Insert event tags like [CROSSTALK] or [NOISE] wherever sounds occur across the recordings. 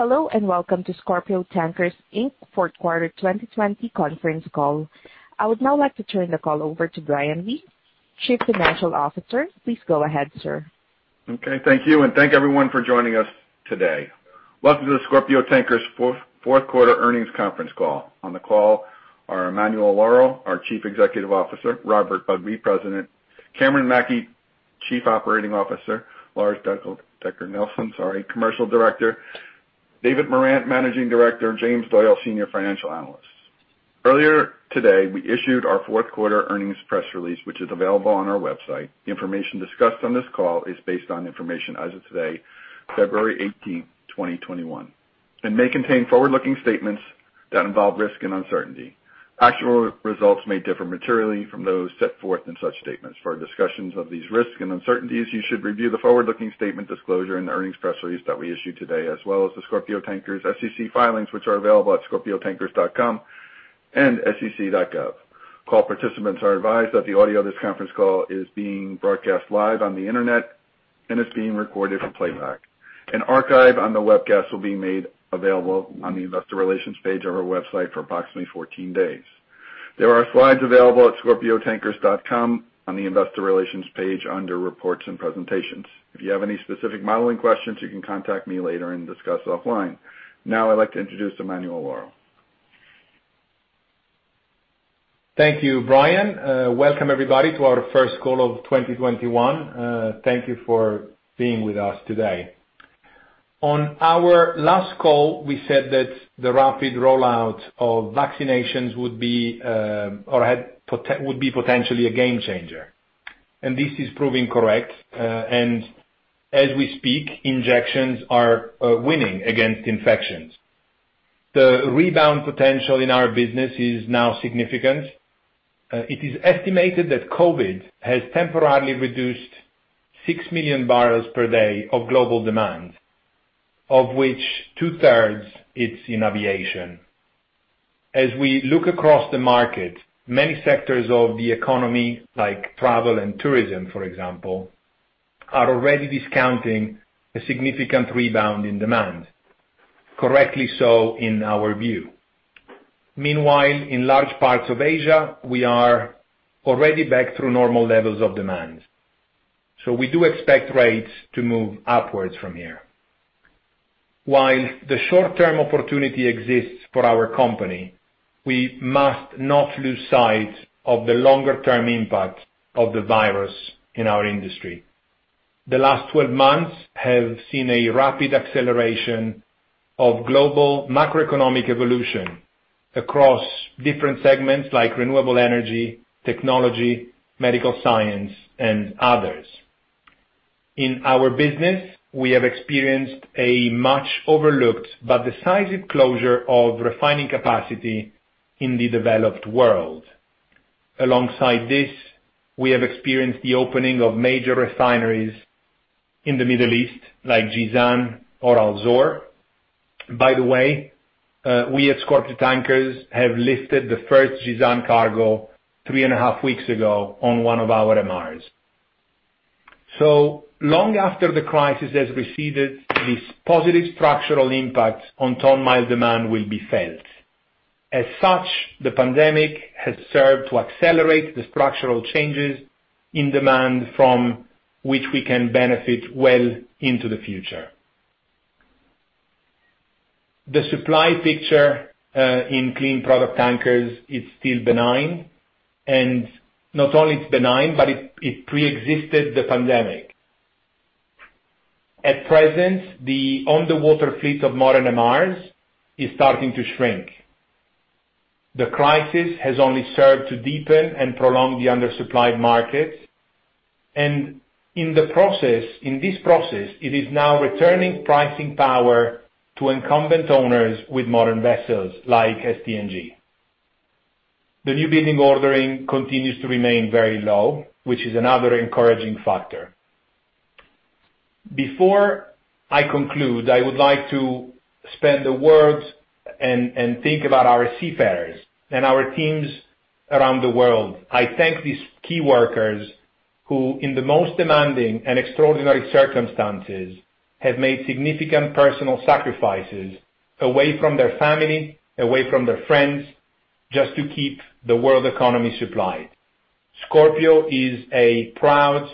Hello and welcome to Scorpio Tankers Inc. Fourth Quarter 2020 Conference Call. I would now like to turn the call over to Brian Lee, Chief Financial Officer. Please go ahead, sir. Okay, thank you, and thank everyone for joining us today. Welcome to the Scorpio Tankers Fourth Quarter Earnings Conference Call. On the call are Emanuele Lauro, our Chief Executive Officer, Robert Bugbee, President, Cameron Mackey, Chief Operating Officer, Lars Dencker Nielsen, sorry, Commercial Director, David Morant, Managing Director, James Doyle, Senior Financial Analyst. Earlier today, we issued our Fourth Quarter Earnings press release, which is available on our website. The information discussed on this call is based on information as of today, February 18th, 2021, and may contain forward-looking statements that involve risk and uncertainty. Actual results may differ materially from those set forth in such statements. For discussions of these risks and uncertainties, you should review the forward-looking statement disclosure and the earnings press release that we issued today, as well as the Scorpio Tankers SEC filings, which are available at scorpiotankers.com and sec.gov. Call participants are advised that the audio of this conference call is being broadcast live on the Internet and is being recorded for playback. An archive on the webcast will be made available on the Investor Relations page of our website for approximately 14 days. There are slides available at scorpiotankers.com on the Investor Relations page under Reports and Presentations. If you have any specific modeling questions, you can contact me later and discuss offline. Now, I'd like to introduce Emanuele Lauro. Thank you, Brian. Welcome, everybody, to our first call of 2021. Thank you for being with us today. On our last call, we said that the rapid rollout of vaccinations would be potentially a game changer, and this is proving correct. And as we speak, injections are winning against infections. The rebound potential in our business is now significant. It is estimated that COVID has temporarily reduced 6 million barrels per day of global demand, of which 2/3 is in aviation. As we look across the market, many sectors of the economy, like travel and tourism, for example, are already discounting a significant rebound in demand, correctly so in our view. Meanwhile, in large parts of Asia, we are already back to normal levels of demand. So we do expect rates to move upwards from here. While the short-term opportunity exists for our company, we must not lose sight of the longer-term impact of the virus in our industry. The last 12 months have seen a rapid acceleration of global macroeconomic evolution across different segments like renewable energy, technology, medical science, and others. In our business, we have experienced a much-overlooked but decisive closure of refining capacity in the developed world. Alongside this, we have experienced the opening of major refineries in the Middle East, like Jizan or Al-Zour. By the way, we at Scorpio Tankers have lifted the first Jizan cargo three and a half weeks ago on one of our MRs. So long after the crisis has receded, these positive structural impacts on ton-mile demand will be felt. As such, the pandemic has served to accelerate the structural changes in demand from which we can benefit well into the future. The supply picture in clean product tankers is still benign, and not only is it benign, but it pre-existed the pandemic. At present, the underwater fleet of modern MRs is starting to shrink. The crisis has only served to deepen and prolong the undersupplied markets, and in this process, it is now returning pricing power to incumbent owners with modern vessels like STNG. The new building ordering continues to remain very low, which is another encouraging factor. Before I conclude, I would like to spend a word and think about our seafarers and our teams around the world. I thank these key workers who, in the most demanding and extraordinary circumstances, have made significant personal sacrifices away from their family, away from their friends, just to keep the world economy supplied. Scorpio is a proud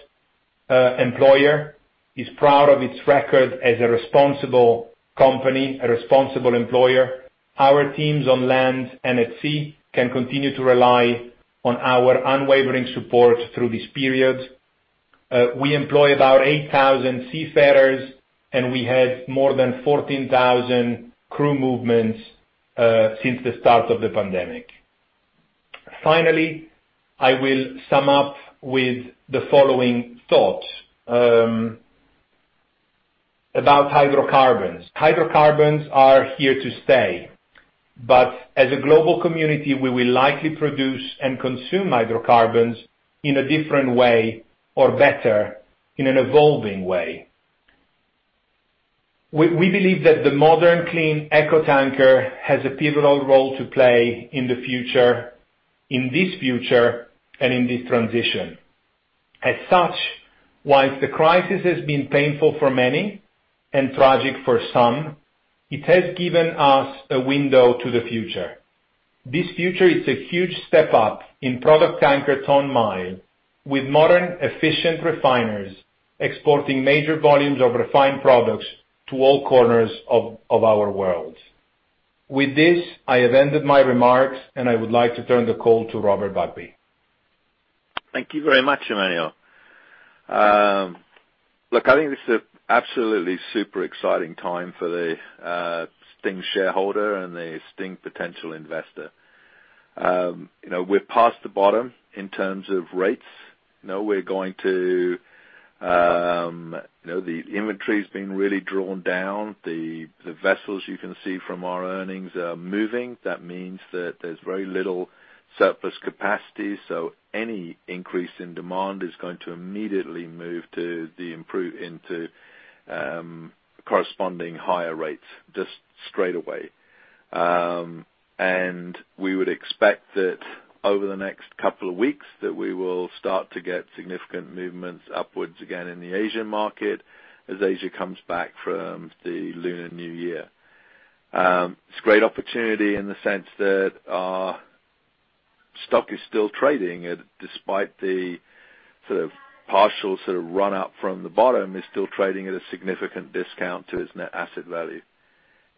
employer. It's proud of its record as a responsible company, a responsible employer. Our teams on land and at sea can continue to rely on our unwavering support through this period. We employ about 8,000 seafarers, and we had more than 14,000 crew movements since the start of the pandemic. Finally, I will sum up with the following thoughts about hydrocarbons. Hydrocarbons are here to stay, but as a global community, we will likely produce and consume hydrocarbons in a different way or better, in an evolving way. We believe that the modern clean eco-tanker has a pivotal role to play in this future and in this transition. As such, while the crisis has been painful for many and tragic for some, it has given us a window to the future. This future is a huge step up in product tanker ton-mile, with modern efficient refiners exporting major volumes of refined products to all corners of our world. With this, I have ended my remarks, and I would like to turn the call to Robert Bugbee. Thank you very much, Emanuele. Look, I think this is an absolutely super exciting time for the STNG shareholder and the STNG potential investor. We're past the bottom in terms of rates. We're going to. The inventory has been really drawn down. The vessels you can see from our earnings are moving. That means that there's very little surplus capacity, so any increase in demand is going to immediately move into corresponding higher rates just straight away, and we would expect that over the next couple of weeks, we will start to get significant movements upwards again in the Asian market as Asia comes back from the Lunar New Year. It's a great opportunity in the sense that our stock is still trading, despite the partial run-up from the bottom. It's still trading at a significant discount to its net asset value.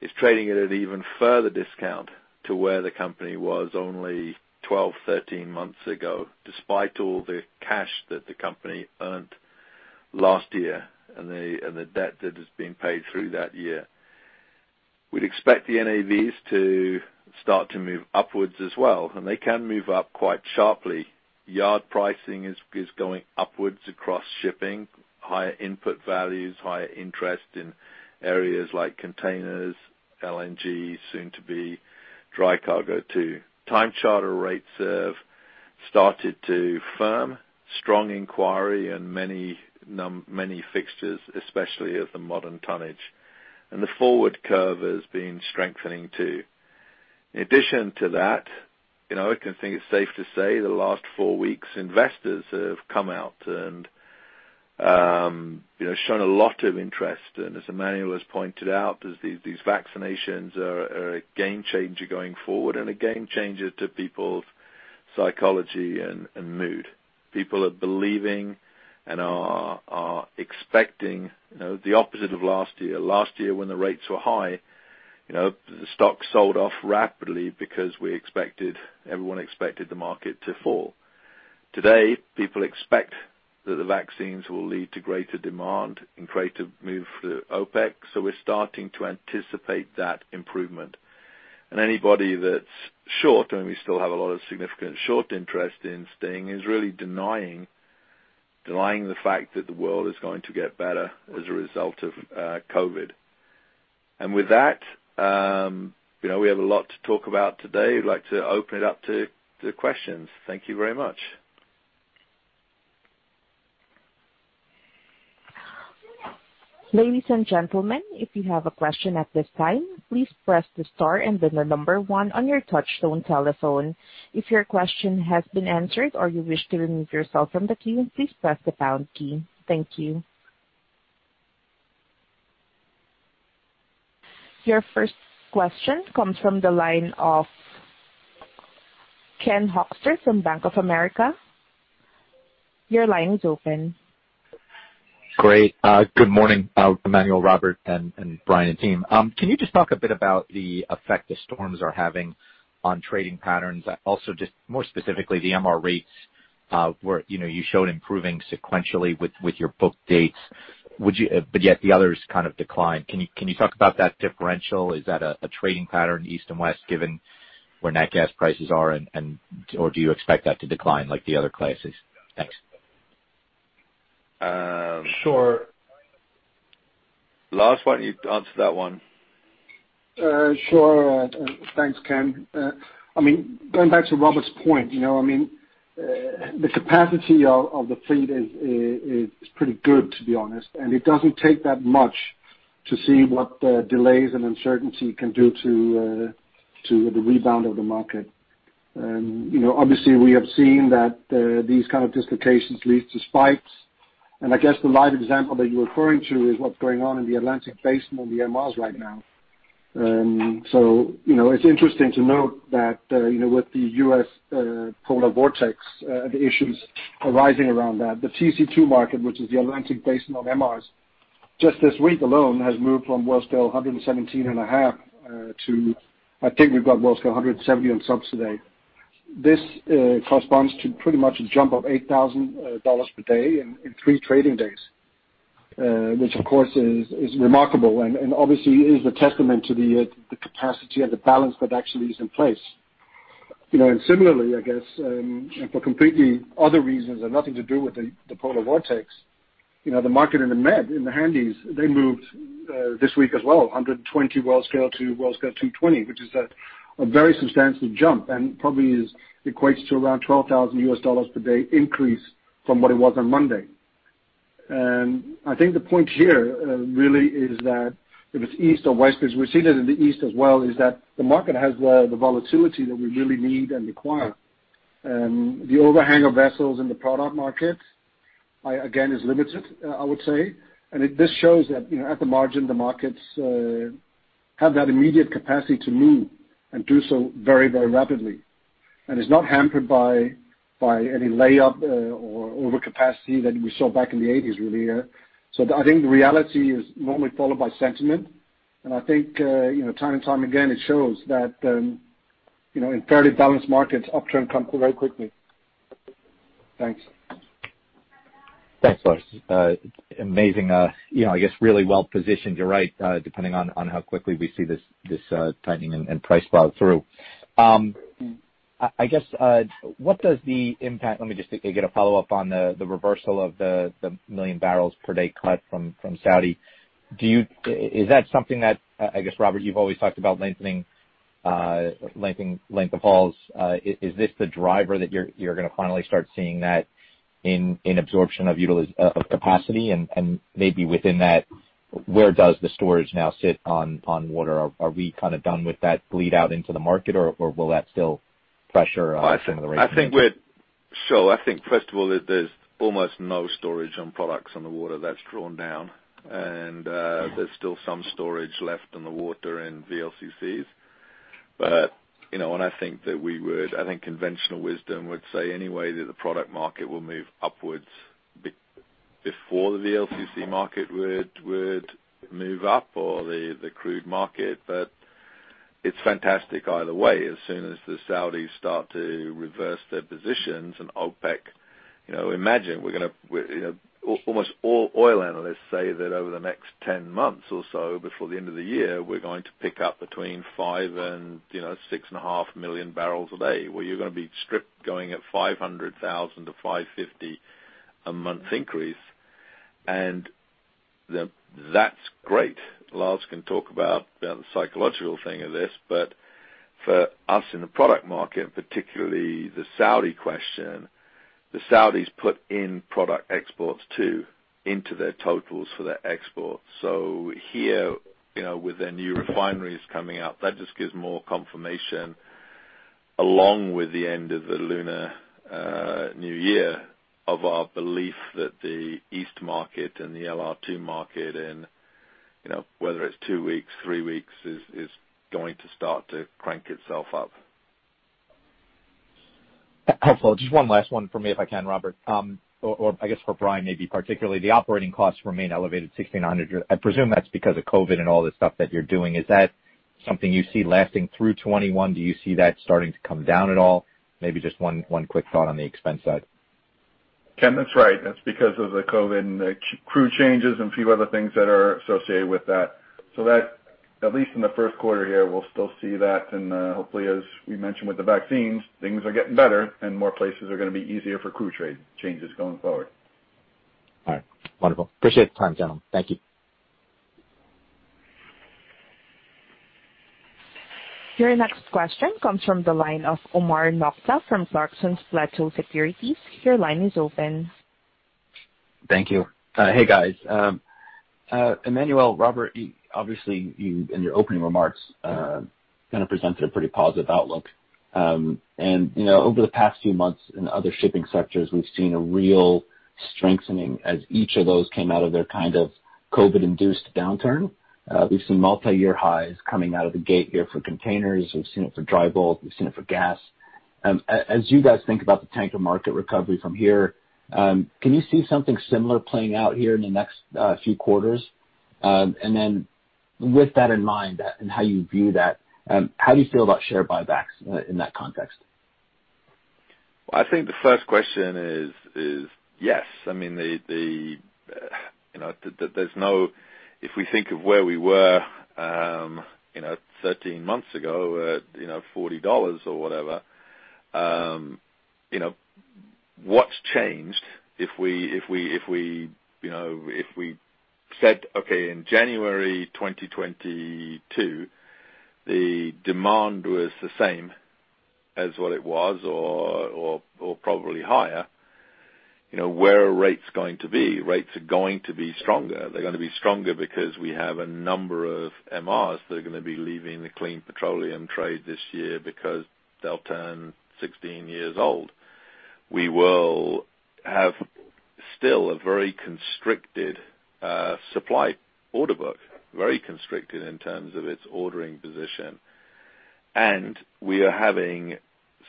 It's trading at an even further discount to where the company was only 12, 13 months ago, despite all the cash that the company earned last year and the debt that has been paid through that year. We'd expect the NAVs to start to move upwards as well, and they can move up quite sharply. Yard pricing is going upwards across shipping, higher input values, higher interest in areas like containers, LNG, soon-to-be dry cargo too. Time charter rates have started to firm, strong inquiry, and many fixtures, especially of the modern tonnage. And the forward curve has been strengthening too. In addition to that, I think it's safe to say the last four weeks, investors have come out and shown a lot of interest. And as Emanuele has pointed out, these vaccinations are a game changer going forward and a game changer to people's psychology and mood. People are believing and are expecting the opposite of last year. Last year, when the rates were high, the stock sold off rapidly because everyone expected the market to fall. Today, people expect that the vaccines will lead to greater demand and create a move for the OPEC, so we're starting to anticipate that improvement. Anybody that's short, and we still have a lot of significant short interest in STNG, is really denying the fact that the world is going to get better as a result of COVID. With that, we have a lot to talk about today. We'd like to open it up to questions. Thank you very much. Ladies and gentlemen, if you have a question at this time, please press the star and then the number one on your touch-tone telephone. If your question has been answered or you wish to remove yourself from the queue, please press the pound key. Thank you. Your first question comes from the line of Ken Hoexter from Bank of America. Your line is open. Great. Good morning, Emanuele, Robert, and Brian and team. Can you just talk a bit about the effect the storms are having on trading patterns? Also, just more specifically, the MR rates where you showed improving sequentially with your book dates, but yet the others kind of declined. Can you talk about that differential? Is that a trading pattern east and west given where natural gas prices are? Or do you expect that to decline like the other places? Thanks. Sure. Lars, why don't you answer that one? Sure. Thanks, Ken. I mean, going back to Robert's point, I mean, the capacity of the fleet is pretty good, to be honest, and it doesn't take that much to see what delays and uncertainty can do to the rebound of the market. Obviously, we have seen that these kind of dislocations lead to spikes. I guess the live example that you're referring to is what's going on in the Atlantic Basin and the MRs right now. It's interesting to note that with the U.S. polar vortex issues arising around that, the TC2 market, which is the Atlantic Basin of MRs, just this week alone has moved from WS 117.5 to, I think we've got WS 170s today. This corresponds to pretty much a jump of $8,000 per day in three trading days, which, of course, is remarkable and obviously is a testament to the capacity and the balance that actually is in place, and similarly, I guess, and for completely other reasons and nothing to do with the polar vortex, the market in the Med, in the Handies, they moved this week as well, 120 Worldscale to Worldscale 220, which is a very substantial jump and probably equates to around $12,000 per day increase from what it was on Monday, and I think the point here really is that if it's east or west because we've seen it in the east as well, is that the market has the volatility that we really need and require. The overhang of vessels in the product market, again, is limited, I would say. This shows that at the margin, the markets have that immediate capacity to move and do so very, very rapidly. It's not hampered by any layup or overcapacity that we saw back in the '80s really here. I think the reality is normally followed by sentiment. I think time and time again, it shows that in fairly balanced markets, upturn comes very quickly. Thanks. Thanks, Lars. Amazing. I guess really well positioned. You're right, depending on how quickly we see this tightening and price plow through. I guess, what does the impact? Let me just get a follow-up on the reversal of the million barrels per day cut from Saudi. Is that something that, I guess, Robert, you've always talked about lengthening length of hauls. Is this the driver that you're going to finally start seeing that in absorption of capacity? And maybe within that, where does the storage now sit on water? Are we kind of done with that bleed out into the market, or will that still pressure some of the rates? I think, first of all, there's almost no storage on products on the water that's drawn down. And there's still some storage left on the water in VLCCs. But I think conventional wisdom would say anyway that the product market will move upwards before the VLCC market would move up or the crude market. But it's fantastic either way. As soon as the Saudis start to reverse their positions and OPEC, imagine we're going to—almost all oil analysts say that over the next 10 months or so before the end of the year, we're going to pick up between 5-6.5 million barrels a day. Well, you're going to be stripped going at 500,000 to 550,000 a month increase. And that's great. Lars can talk about the psychological thing of this. But for us in the product market, particularly the Saudi question, the Saudis put in product exports too into their totals for their exports. So here, with their new refineries coming out, that just gives more confirmation along with the end of the Lunar New Year of our belief that the east market and the LR2 market, and whether it's two weeks, three weeks, is going to start to crank itself up. Helpful. Just one last one for me if I can, Robert, or I guess for Brian maybe particularly. The operating costs remain elevated at $1,600. I presume that's because of COVID and all this stuff that you're doing. Is that something you see lasting through 2021? Do you see that starting to come down at all? Maybe just one quick thought on the expense side. Ken, that's right. That's because of the COVID and the crew changes and a few other things that are associated with that. So that, at least in the first quarter here, we'll still see that, and hopefully, as we mentioned with the vaccines, things are getting better and more places are going to be easier for crew changes going forward. All right. Wonderful. Appreciate the time, gentlemen. Thank you. Your next question comes from the line of Omar Nokta from Clarksons Platou Securities. Your line is open. Thank you. Hey, guys. Emanuele, Robert, obviously, you in your opening remarks kind of presented a pretty positive outlook, and over the past few months in other shipping sectors, we've seen a real strengthening as each of those came out of their kind of COVID-induced downturn. We've seen multi-year highs coming out of the gate here for containers. We've seen it for dry bulk. We've seen it for gas. As you guys think about the tanker market recovery from here, can you see something similar playing out here in the next few quarters? And then with that in mind and how you view that, how do you feel about share buybacks in that context? I think the first question is yes. I mean, there's no—if we think of where we were 13 months ago at $40 or whatever, what's changed? If we said, "Okay, in January 2022, the demand was the same as what it was or probably higher," where are rates going to be? Rates are going to be stronger. They're going to be stronger because we have a number of MRs that are going to be leaving the clean petroleum trade this year because they'll turn 16 years old. We will have still a very constricted supply order book, very constricted in terms of its ordering position. And we are having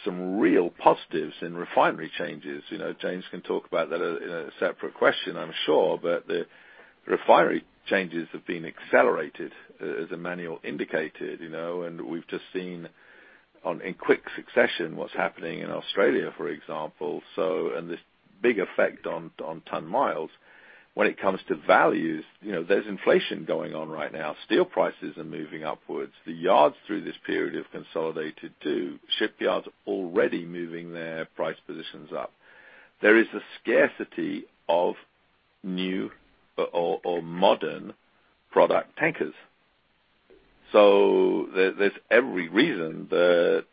some real positives in refinery changes. James can talk about that in a separate question, I'm sure, but the refinery changes have been accelerated, as Emanuele indicated. And we've just seen in quick succession what's happening in Australia, for example, and this big effect on ton-miles. When it comes to values, there's inflation going on right now. Steel prices are moving upwards. The yards through this period have consolidated too. Shipyards are already moving their price positions up. There is a scarcity of new or modern product tankers. So there's every reason that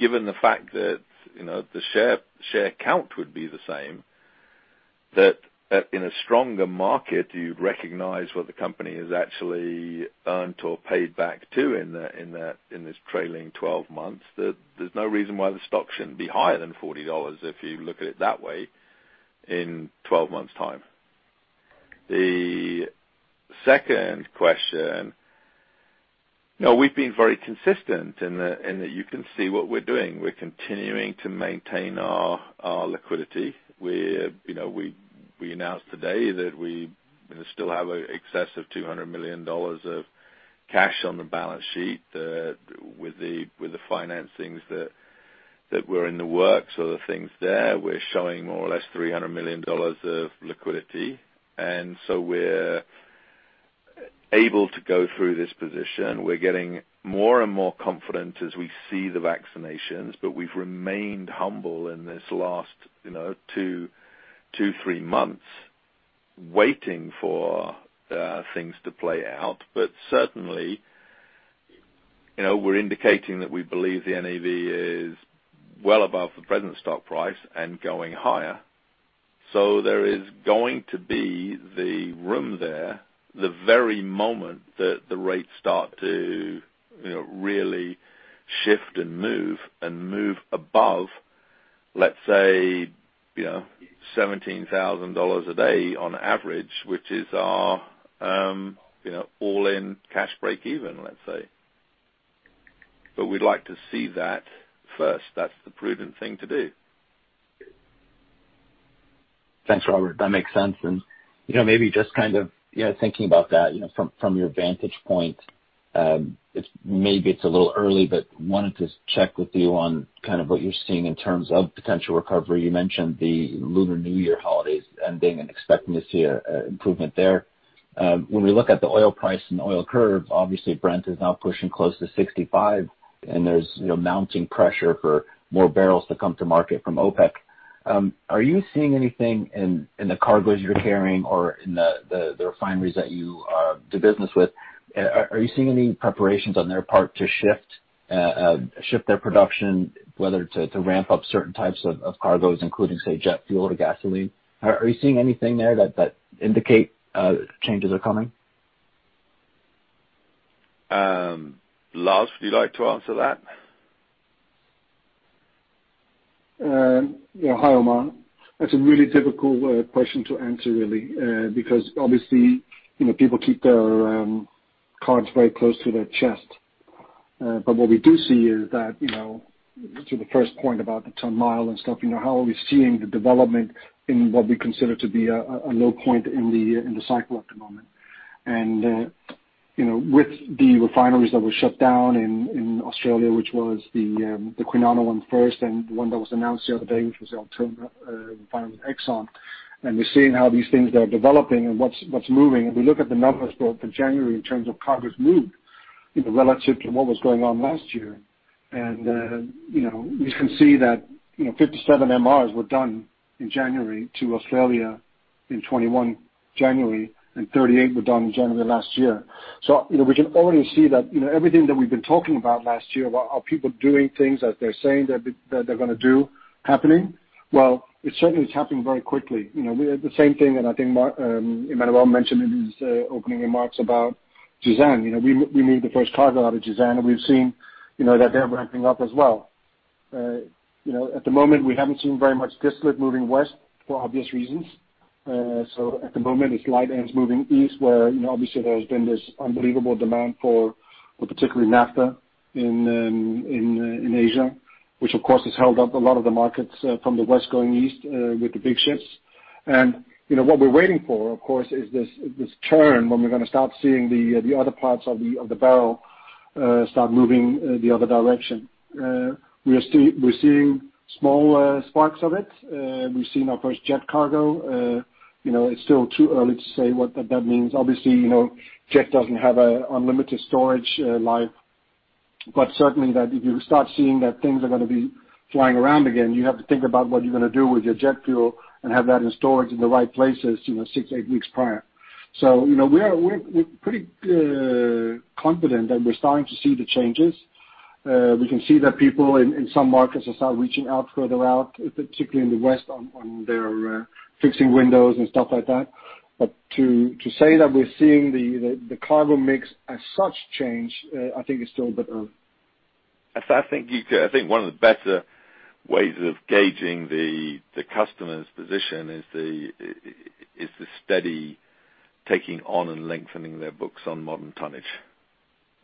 given the fact that the share count would be the same, that in a stronger market, you'd recognize what the company has actually earned or paid back to in this trailing 12 months. There's no reason why the stock shouldn't be higher than $40 if you look at it that way in 12 months' time. The second question, we've been very consistent in that you can see what we're doing. We're continuing to maintain our liquidity. We announced today that we still have an excess of $200 million of cash on the balance sheet with the financings that were in the works. So the things there, we're showing more or less $300 million of liquidity. And so we're able to go through this position. We're getting more and more confident as we see the vaccinations, but we've remained humble in this last two, three months waiting for things to play out. But certainly, we're indicating that we believe the NAV is well above the present stock price and going higher. So there is going to be the room there the very moment that the rates start to really shift and move and move above, let's say, $17,000 a day on average, which is our all-in cash break even, let's say. But we'd like to see that first. That's the prudent thing to do. Thanks, Robert. That makes sense. And maybe just kind of thinking about that from your vantage point, maybe it's a little early, but wanted to check with you on kind of what you're seeing in terms of potential recovery. You mentioned the Lunar New Year holidays ending and expecting to see an improvement there. When we look at the oil price and the oil curve, obviously, Brent is now pushing close to 65, and there's mounting pressure for more barrels to come to market from OPEC. Are you seeing anything in the cargoes you're carrying or in the refineries that you do business with? Are you seeing any preparations on their part to shift their production, whether to ramp up certain types of cargoes, including, say, jet fuel or gasoline? Are you seeing anything there that indicates changes are coming? Lars, would you like to answer that? Hi, Omar. That's a really difficult question to answer, really, because obviously, people keep their cards very close to their chest. But what we do see is that to the first point about the ton-mile and stuff, how are we seeing the development in what we consider to be a low point in the cycle at the moment? And with the refineries that were shut down in Australia, which was the Kwinana one first and the one that was announced the other day, which was Altona refinery Exxon, and we're seeing how these things are developing and what's moving. And we look at the numbers for January in terms of cargoes moved relative to what was going on last year. And we can see that 57 MRs were done in January to Australia in 2021, and 38 were done in January last year. We can already see that everything that we've been talking about last year, are people doing things as they're saying they're going to do happening? Well, it certainly is happening very quickly. The same thing that I think Emanuele mentioned in his opening remarks about Jizan. We moved the first cargo out of Jizan, and we've seen that they're ramping up as well. At the moment, we haven't seen very much product moving west for obvious reasons. So at the moment, it's light ends moving east, where obviously there has been this unbelievable demand for particularly naphtha in Asia, which, of course, has held up a lot of the markets from the west going east with the big ships. And what we're waiting for, of course, is this turn when we're going to start seeing the other parts of the barrel start moving the other direction. We're seeing small sparks of it. We've seen our first jet cargo. It's still too early to say what that means. Obviously, jet doesn't have an unlimited storage life. But certainly, if you start seeing that things are going to be flying around again, you have to think about what you're going to do with your jet fuel and have that in storage in the right places 6-8 weeks prior. So we're pretty confident that we're starting to see the changes. We can see that people in some markets are starting reaching out further out, particularly in the west on their fixing windows and stuff like that. But to say that we're seeing the cargo mix as such change, I think it's still a bit early. I think one of the better ways of gauging the customer's position is the steady taking on and lengthening their books on modern tonnage,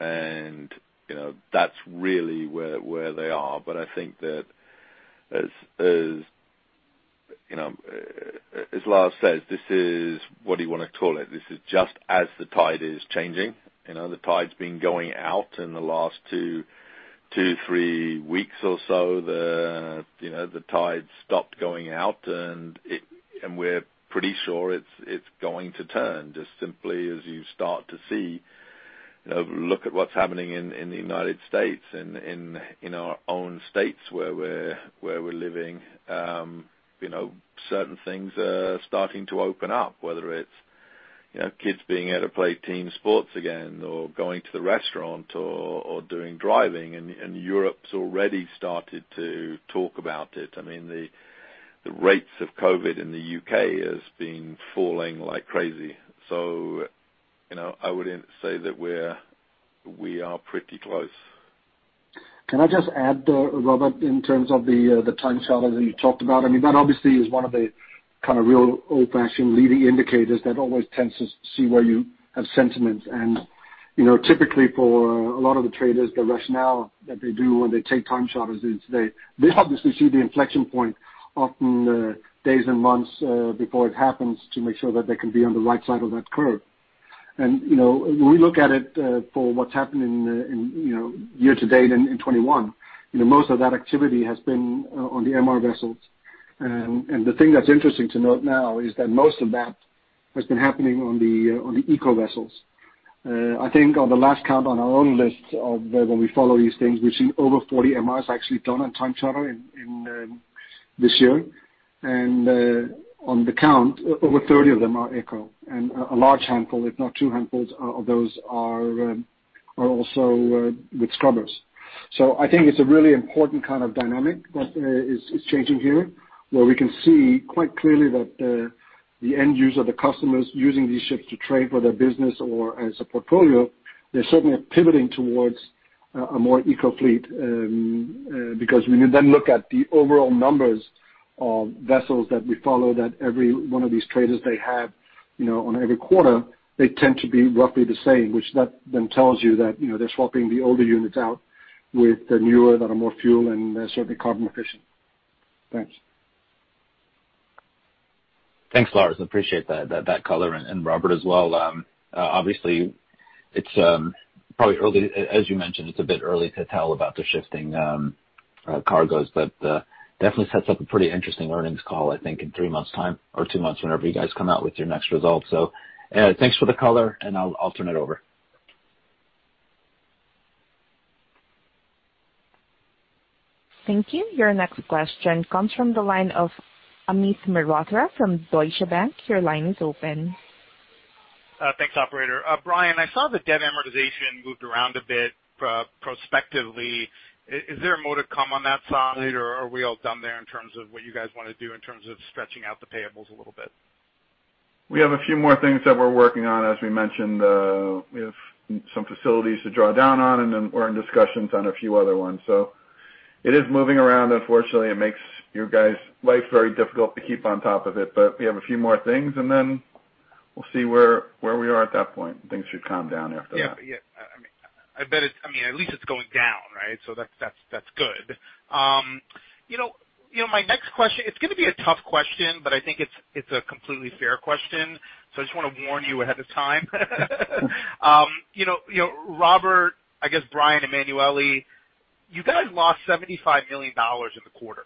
and that's really where they are, but I think that as Lars says, this is what do you want to call it? This is just as the tide is changing. The tide's been going out in the last two, three weeks or so. The tide stopped going out, and we're pretty sure it's going to turn just simply as you start to see. Look at what's happening in the United States, in our own states where we're living. Certain things are starting to open up, whether it's kids being able to play team sports again or going to the restaurant or doing driving, and Europe's already started to talk about it. I mean, the rates of COVID in the U.K. has been falling like crazy. So I wouldn't say that we are pretty close. Can I just add, Robert, in terms of the time charter that you talked about? I mean, that obviously is one of the kind of real old-fashioned leading indicators that always tends to see where you have sentiments. And typically, for a lot of the traders, the rationale that they do when they take time charters is they obviously see the inflection point often days and months before it happens to make sure that they can be on the right side of that curve. And when we look at it for what's happened in year to date in 2021, most of that activity has been on the MR vessels. And the thing that's interesting to note now is that most of that has been happening on the eco vessels. I think on the last count on our own list of when we follow these things, we've seen over 40 MRs actually done on time charter this year. And on the count, over 30 of them are eco. And a large handful, if not two handfuls of those, are also with scrubbers. So I think it's a really important kind of dynamic that is changing here, where we can see quite clearly that the end user, the customers using these ships to trade for their business or as a portfolio, they're certainly pivoting towards a more eco fleet because we then look at the overall numbers of vessels that we follow that every one of these traders they have on every quarter, they tend to be roughly the same, which then tells you that they're swapping the older units out with the newer that are more fuel and certainly carbon efficient. Thanks. Thanks, Lars. Appreciate that color and Robert as well. Obviously, it's probably early, as you mentioned, it's a bit early to tell about the shifting cargoes, but definitely sets up a pretty interesting earnings call, I think, in three months' time or two months whenever you guys come out with your next results. So thanks for the color, and I'll turn it over. Thank you. Your next question comes from the line of Amit Mehrotra from Deutsche Bank. Your line is open. Thanks, operator. Brian, I saw the debt amortization moved around a bit prospectively. Is there more to come on that side, or are we all done there in terms of what you guys want to do in terms of stretching out the payables a little bit? We have a few more things that we're working on, as we mentioned. We have some facilities to draw down on, and we're in discussions on a few other ones. So it is moving around. Unfortunately, it makes your guys' life very difficult to keep on top of it, but we have a few more things, and then we'll see where we are at that point. Things should calm down after that. Yeah. I mean, I bet it's, I mean, at least it's going down, right? So that's good. My next question, it's going to be a tough question, but I think it's a completely fair question. So I just want to warn you ahead of time. Robert, I guess, Brian, Emanuele, you guys lost $75 million in the quarter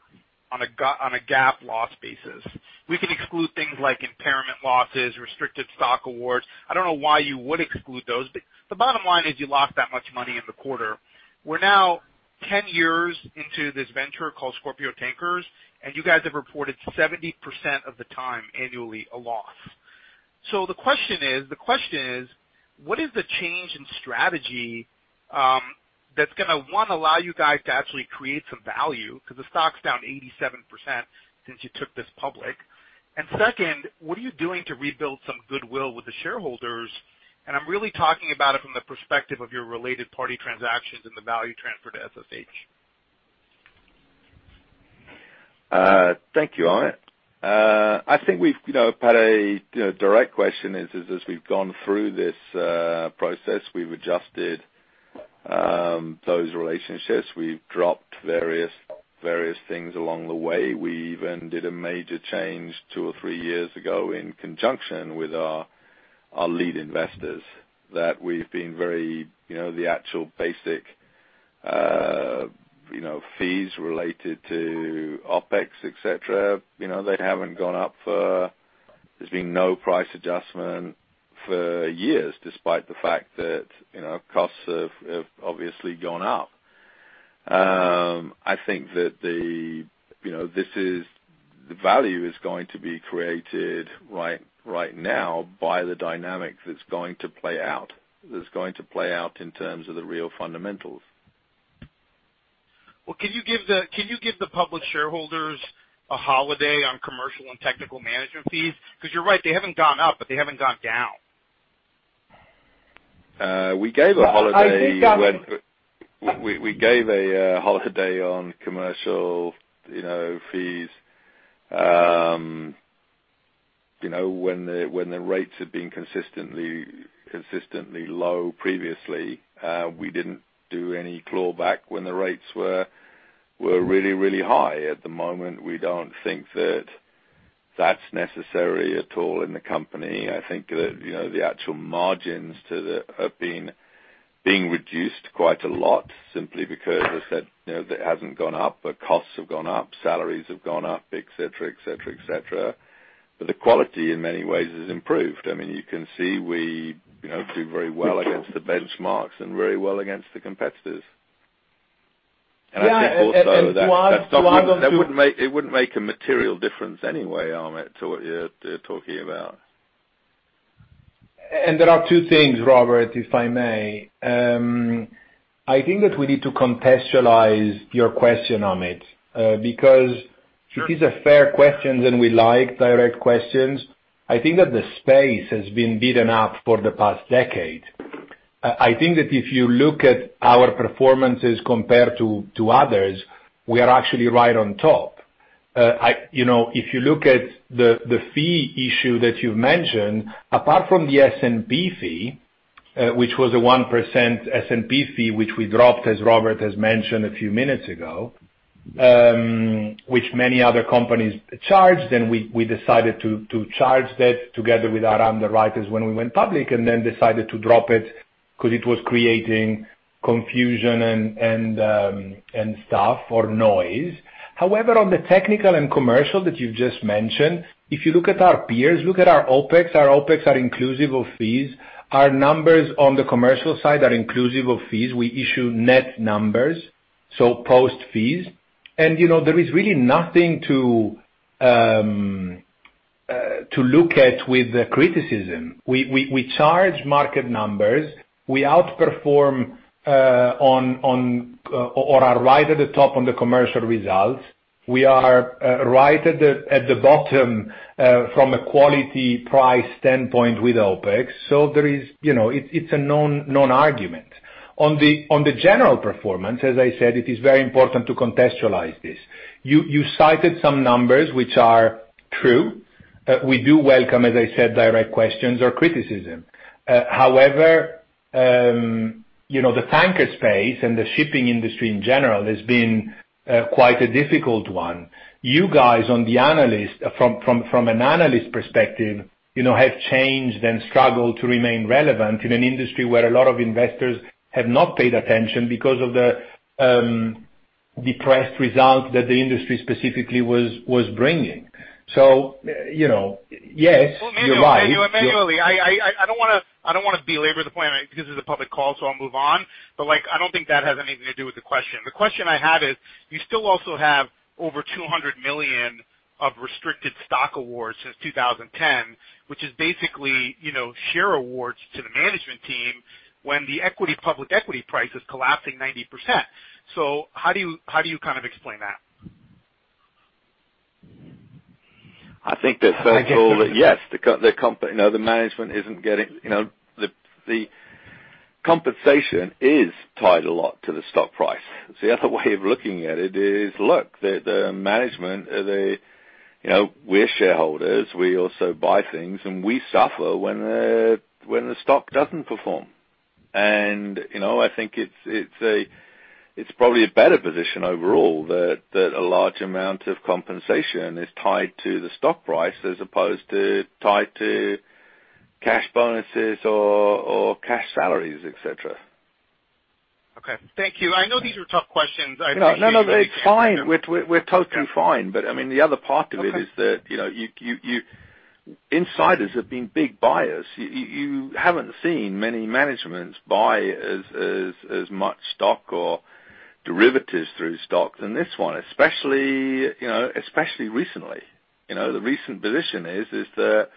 on a GAAP loss basis. We can exclude things like impairment losses, restricted stock awards. I don't know why you would exclude those, but the bottom line is you lost that much money in the quarter. We're now 10 years into this venture called Scorpio Tankers, and you guys have reported 70% of the time annually a loss. So the question is, what is the change in strategy that's going to, one, allow you guys to actually create some value because the stock's down 87% since you took this public? Second, what are you doing to rebuild some goodwill with the shareholders? I'm really talking about it from the perspective of your related party transactions and the value transfer to SSH. Thank you, Amit. I think we've had a direct question is, as we've gone through this process, we've adjusted those relationships. We've dropped various things along the way. We even did a major change two or three years ago in conjunction with our lead investors that we've been very the actual basic fees related to OpEx, etc., they haven't gone up for there's been no price adjustment for years despite the fact that costs have obviously gone up. I think that this is the value is going to be created right now by the dynamic that's going to play out, that's going to play out in terms of the real fundamentals. Can you give the public shareholders a holiday on commercial and technical management fees? Because you're right, they haven't gone up, but they haven't gone down. We gave a holiday [CROSSTALK] when we gave a holiday on commercial fees. When the rates had been consistently low previously, we didn't do any clawback when the rates were really, really high. At the moment, we don't think that that's necessary at all in the company. I think that the actual margins have been reduced quite a lot simply because they said that it hasn't gone up. The costs have gone up, salaries have gone up, etc., etc., etc. But the quality in many ways has improved. I mean, you can see we do very well against the benchmarks and very well against the competitors. And I think [CROSSTALK] also that it wouldn't make a material difference anyway, Amit, to what you're talking about. There are two things, Robert, if I may. I think that we need to contextualize your question, Amit, because it is a fair question and we like direct questions. I think that the space has been beaten up for the past decade. I think that if you look at our performances compared to others, we are actually right on top. If you look at the fee issue that you've mentioned, apart from the S&P fee, which was a 1% S&P fee, which we dropped, as Robert has mentioned a few minutes ago, which many other companies charged, and we decided to charge that together with our underwriters when we went public and then decided to drop it because it was creating confusion and stuff or noise. However, on the technical and commercial that you've just mentioned, if you look at our peers, look at our OpEx, our OpEx are inclusive of fees. Our numbers on the commercial side are inclusive of fees. We issue net numbers, so post fees, and there is really nothing to look at with the criticism. We charge market numbers. We outperform or are right at the top on the commercial results. We are right at the bottom from a quality price standpoint with OpEx, so it's a non-argument. On the general performance, as I said, it is very important to contextualize this. You cited some numbers, which are true. We do welcome, as I said, direct questions or criticism. However, the tanker space and the shipping industry in general has been quite a difficult one. You guys, from an analyst perspective, have changed and struggled to remain relevant in an industry where a lot of investors have not paid attention because of the depressed results that the industry specifically was bringing. So yes, you're right. Well, Emanuele, I don't want to belabor the point because it's a public call, so I'll move on. But I don't think that has anything to do with the question. The question I have is, you still also have over 200 million of restricted stock awards since 2010, which is basically share awards to the management team when the public equity price is collapsing 90%. So how do you kind of explain that? I think they're so poor [CROSSTALK] that, yes, the management's compensation is tied a lot to the stock price. The other way of looking at it is, look, the management, we're shareholders, we also buy things, and we suffer when the stock doesn't perform, and I think it's probably a better position overall that a large amount of compensation is tied to the stock price as opposed to tied to cash bonuses or cash salaries, etc. Okay. Thank you. I know these are tough questions. I appreciate your time. No, no, no. It's fine. We're totally fine. But I mean, the other part of it is that insiders have been big buyers. You haven't seen many managements buy as much stock or derivatives through stocks in this one, especially recently. The recent position is that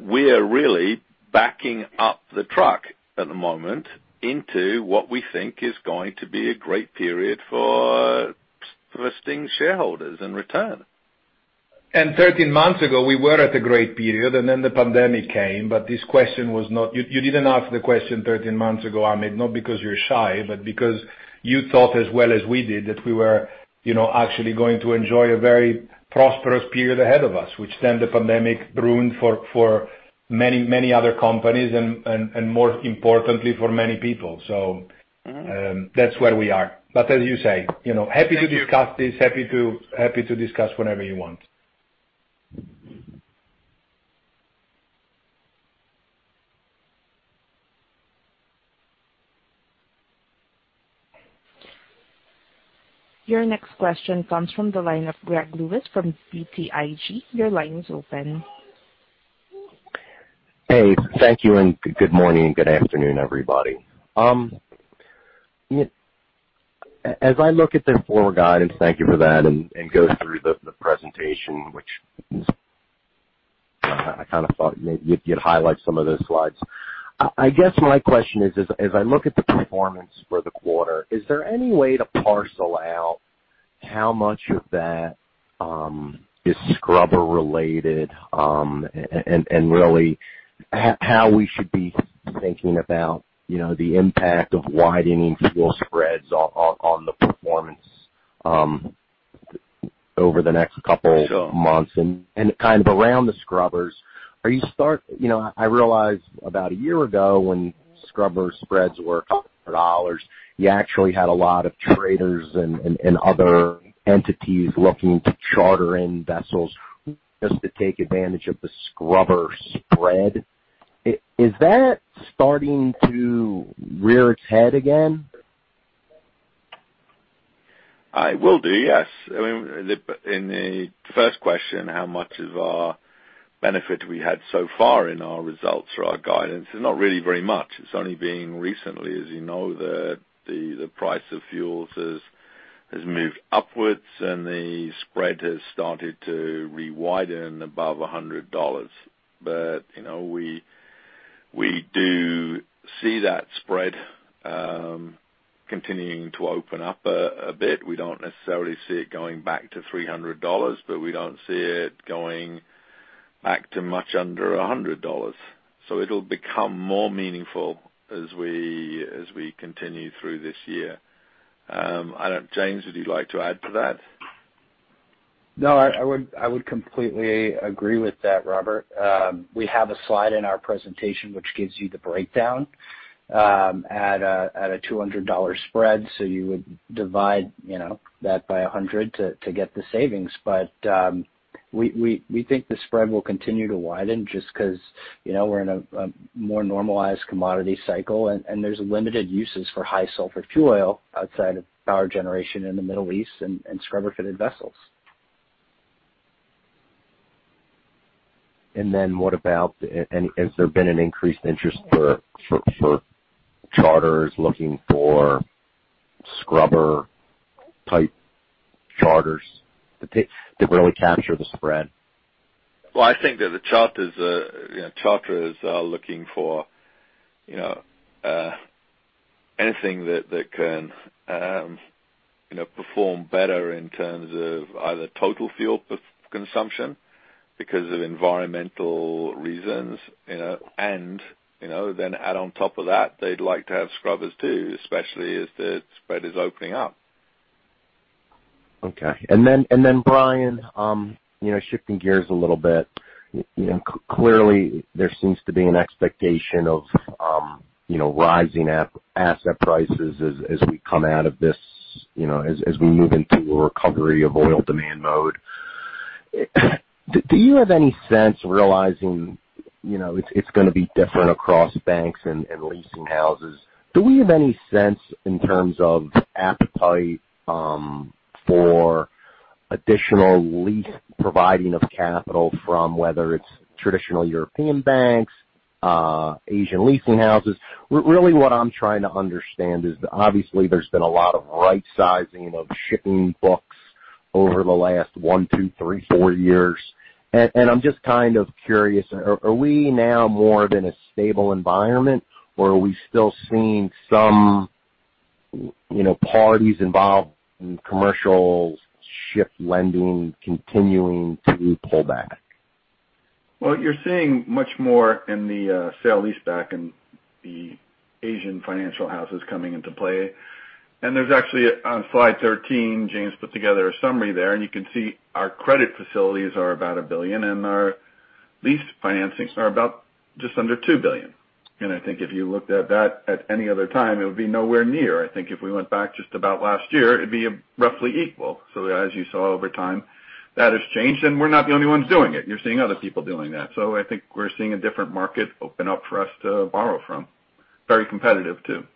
we're really backing up the truck at the moment into what we think is going to be a great period for vesting shareholders in return. 13 months ago, we were at a great period, and then the pandemic came, but you didn't ask the question 13 months ago, Amit, not because you're shy, but because you thought as well as we did that we were actually going to enjoy a very prosperous period ahead of us, which then the pandemic ruined for many, many other companies and, more importantly, for many people. That's where we are. As you say, happy to discuss this, happy to discuss whenever you want. Your next question comes from the line of Greg Lewis from BTIG. Your line is open. Hey, thank you and good morning and good afternoon, everybody. As I look at the forward guidance, thank you for that, and go through the presentation, which I kind of thought maybe you'd highlight some of those slides. I guess my question is, as I look at the performance for the quarter, is there any way to parcel out how much of that is scrubber-related and really how we should be thinking about the impact of widening fuel spreads on the performance over the next couple of months and kind of around the scrubbers? I realized about a year ago when scrubber spreads were a couple of dollars, you actually had a lot of traders and other entities looking to charter in vessels just to take advantage of the scrubber spread. Is that starting to rear its head again? It will do, yes. I mean, in the first question, how much of our benefit we had so far in our results or our guidance is not really very much. It's only been recently, as you know, that the price of fuels has moved upwards and the spread has started to rewiden above $100. But we do see that spread continuing to open up a bit. We don't necessarily see it going back to $300, but we don't see it going back to much under $100. So it'll become more meaningful as we continue through this year. James, would you like to add to that? No, I would completely agree with that, Robert. We have a slide in our presentation which gives you the breakdown at a $200 spread. So you would divide that by 100 to get the savings. But we think the spread will continue to widen just because we're in a more normalized commodity cycle, and there's limited uses for high sulfur fuel oil outside of power generation in the Middle East and scrubber-fitted vessels. And then, what about [this]? Has there been an increased interest for charters looking for scrubber-type charters that really capture the spread? Well, I think that the charter is looking for anything that can perform better in terms of either total fuel consumption because of environmental reasons. And then add on top of that, they'd like to have scrubbers too, especially as the spread is opening up. Okay. And then, Brian, shifting gears a little bit, clearly there seems to be an expectation of rising asset prices as we come out of this, as we move into a recovery of oil demand mode. Do you have any sense, realizing it's going to be different across banks and leasing houses? Do we have any sense in terms of appetite for additional lease providing of capital from whether it's traditional European banks, Asian leasing houses? Really, what I'm trying to understand is, obviously, there's been a lot of right-sizing of shipping books over the last one, two, three, four years. And I'm just kind of curious, are we now more than a stable environment, or are we still seeing some parties involved in commercial ship lending continuing to pull back? You're seeing much more in the sale-leaseback and the Asian financial houses coming into play. There's actually, on slide 13, James put together a summary there, and you can see our credit facilities are about $1 billion, and our lease financings are about just under $2 billion. I think if you looked at that at any other time, it would be nowhere near. I think if we went back just about last year, it'd be roughly equal. As you saw over time, that has changed, and we're not the only ones doing it. You're seeing other people doing that. I think we're seeing a different market open up for us to borrow from, very competitive too.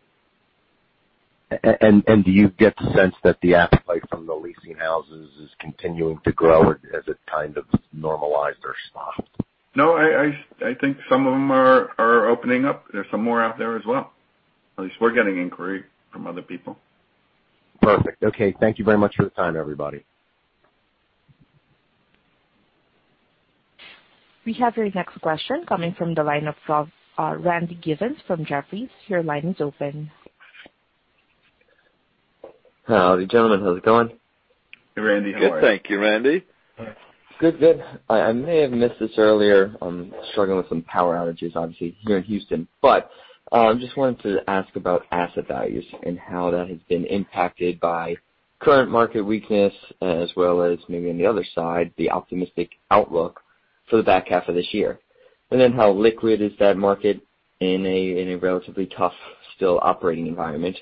Do you get the sense that the appetite from the leasing houses is continuing to grow as it kind of normalized or stopped? No, I think some of them are opening up. There's some more out there as well. At least we're getting inquiry from other people. Perfect. Okay. Thank you very much for the time, everybody. We have your next question coming from the line of Randy Giveans from Jefferies. Your line is open. Howdy, gentlemen. How's it going? Hey, Randy. Good. Thank you, Randy. Good, good. I may have missed this earlier. I'm struggling with some power outages, obviously, here in Houston. But I just wanted to ask about asset values and how that has been impacted by current market weakness, as well as maybe on the other side, the optimistic outlook for the back half of this year. And then how liquid is that market in a relatively tough still operating environment?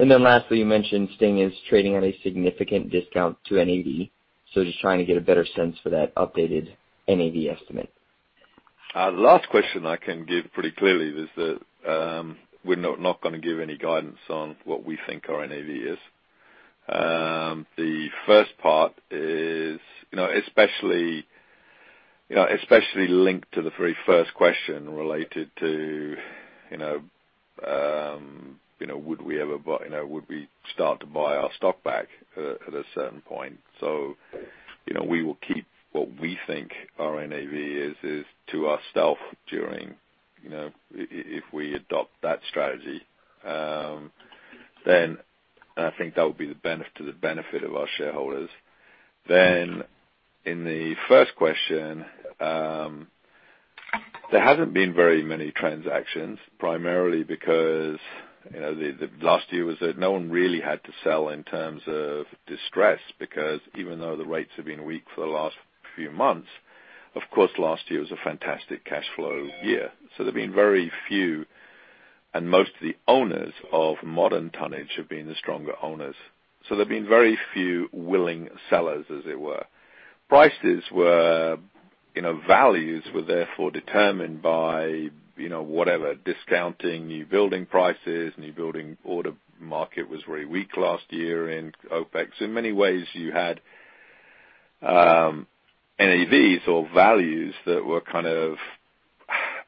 And then lastly, you mentioned STNG is trading at a significant discount to NAV. So just trying to get a better sense for that updated NAV estimate. Last question I can give pretty clearly is that we're not going to give any guidance on what we think our NAV is. The first part is especially linked to the very first question related to, would we ever buy? Would we start to buy our stock back at a certain point? So we will keep what we think our NAV is to ourselves if we adopt that strategy. Then I think that would be the benefit of our shareholders. Then in the first question, there hasn't been very many transactions, primarily because last year was that no one really had to sell in terms of distress because even though the rates have been weak for the last few months, of course, last year was a fantastic cash flow year. So there have been very few, and most of the owners of modern tonnage have been the stronger owners. There have been very few willing sellers, as it were. Prices or values were therefore determined by whatever discounting newbuilding prices. Newbuilding order market was very weak last year in OpEx. In many ways, you had NAVs or values that were kind of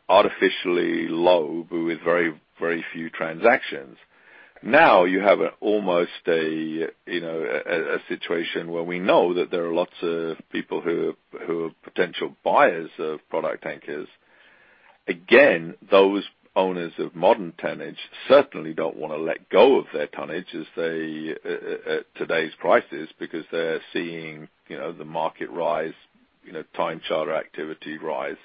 artificially low, but with very, very few transactions. Now you have almost a situation where we know that there are lots of people who are potential buyers of product tankers. Again, those owners of modern tonnage certainly don't want to let go of their tonnage at today's prices because they're seeing the market rise, time charter activity rise,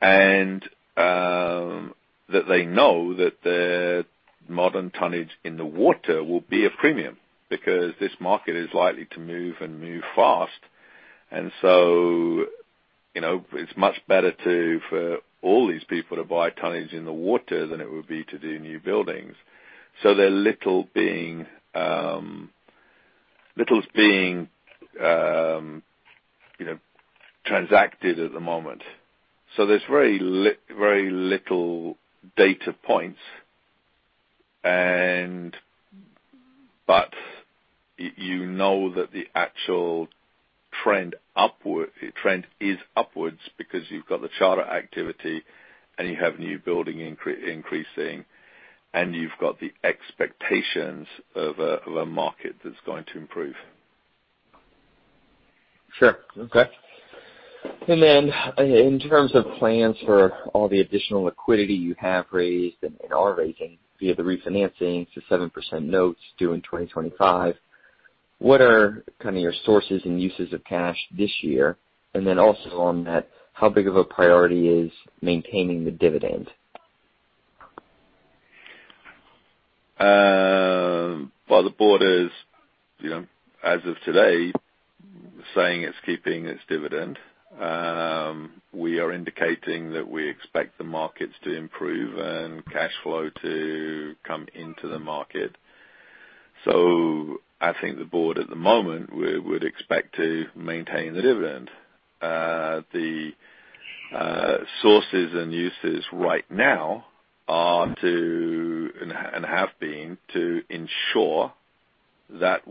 and that they know that the modern tonnage in the water will be a premium because this market is likely to move and move fast. And so it's much better for all these people to buy tonnage in the water than it would be to do new buildings. So there's little being transacted at the moment. So there's very little data points. But you know that the actual trend is upwards because you've got the charter activity and you have new building increasing, and you've got the expectations of a market that's going to improve. Sure. Okay. And then in terms of plans for all the additional liquidity you have raised and are raising via the refinancing to 7% notes due in 2025, what are kind of your sources and uses of cash this year? And then also on that, how big of a priority is maintaining the dividend? The board is, as of today, saying it's keeping its dividend. We are indicating that we expect the markets to improve and cash flow to come into the market. So I think the board at the moment would expect to maintain the dividend. The sources and uses right now are to and have been to ensure that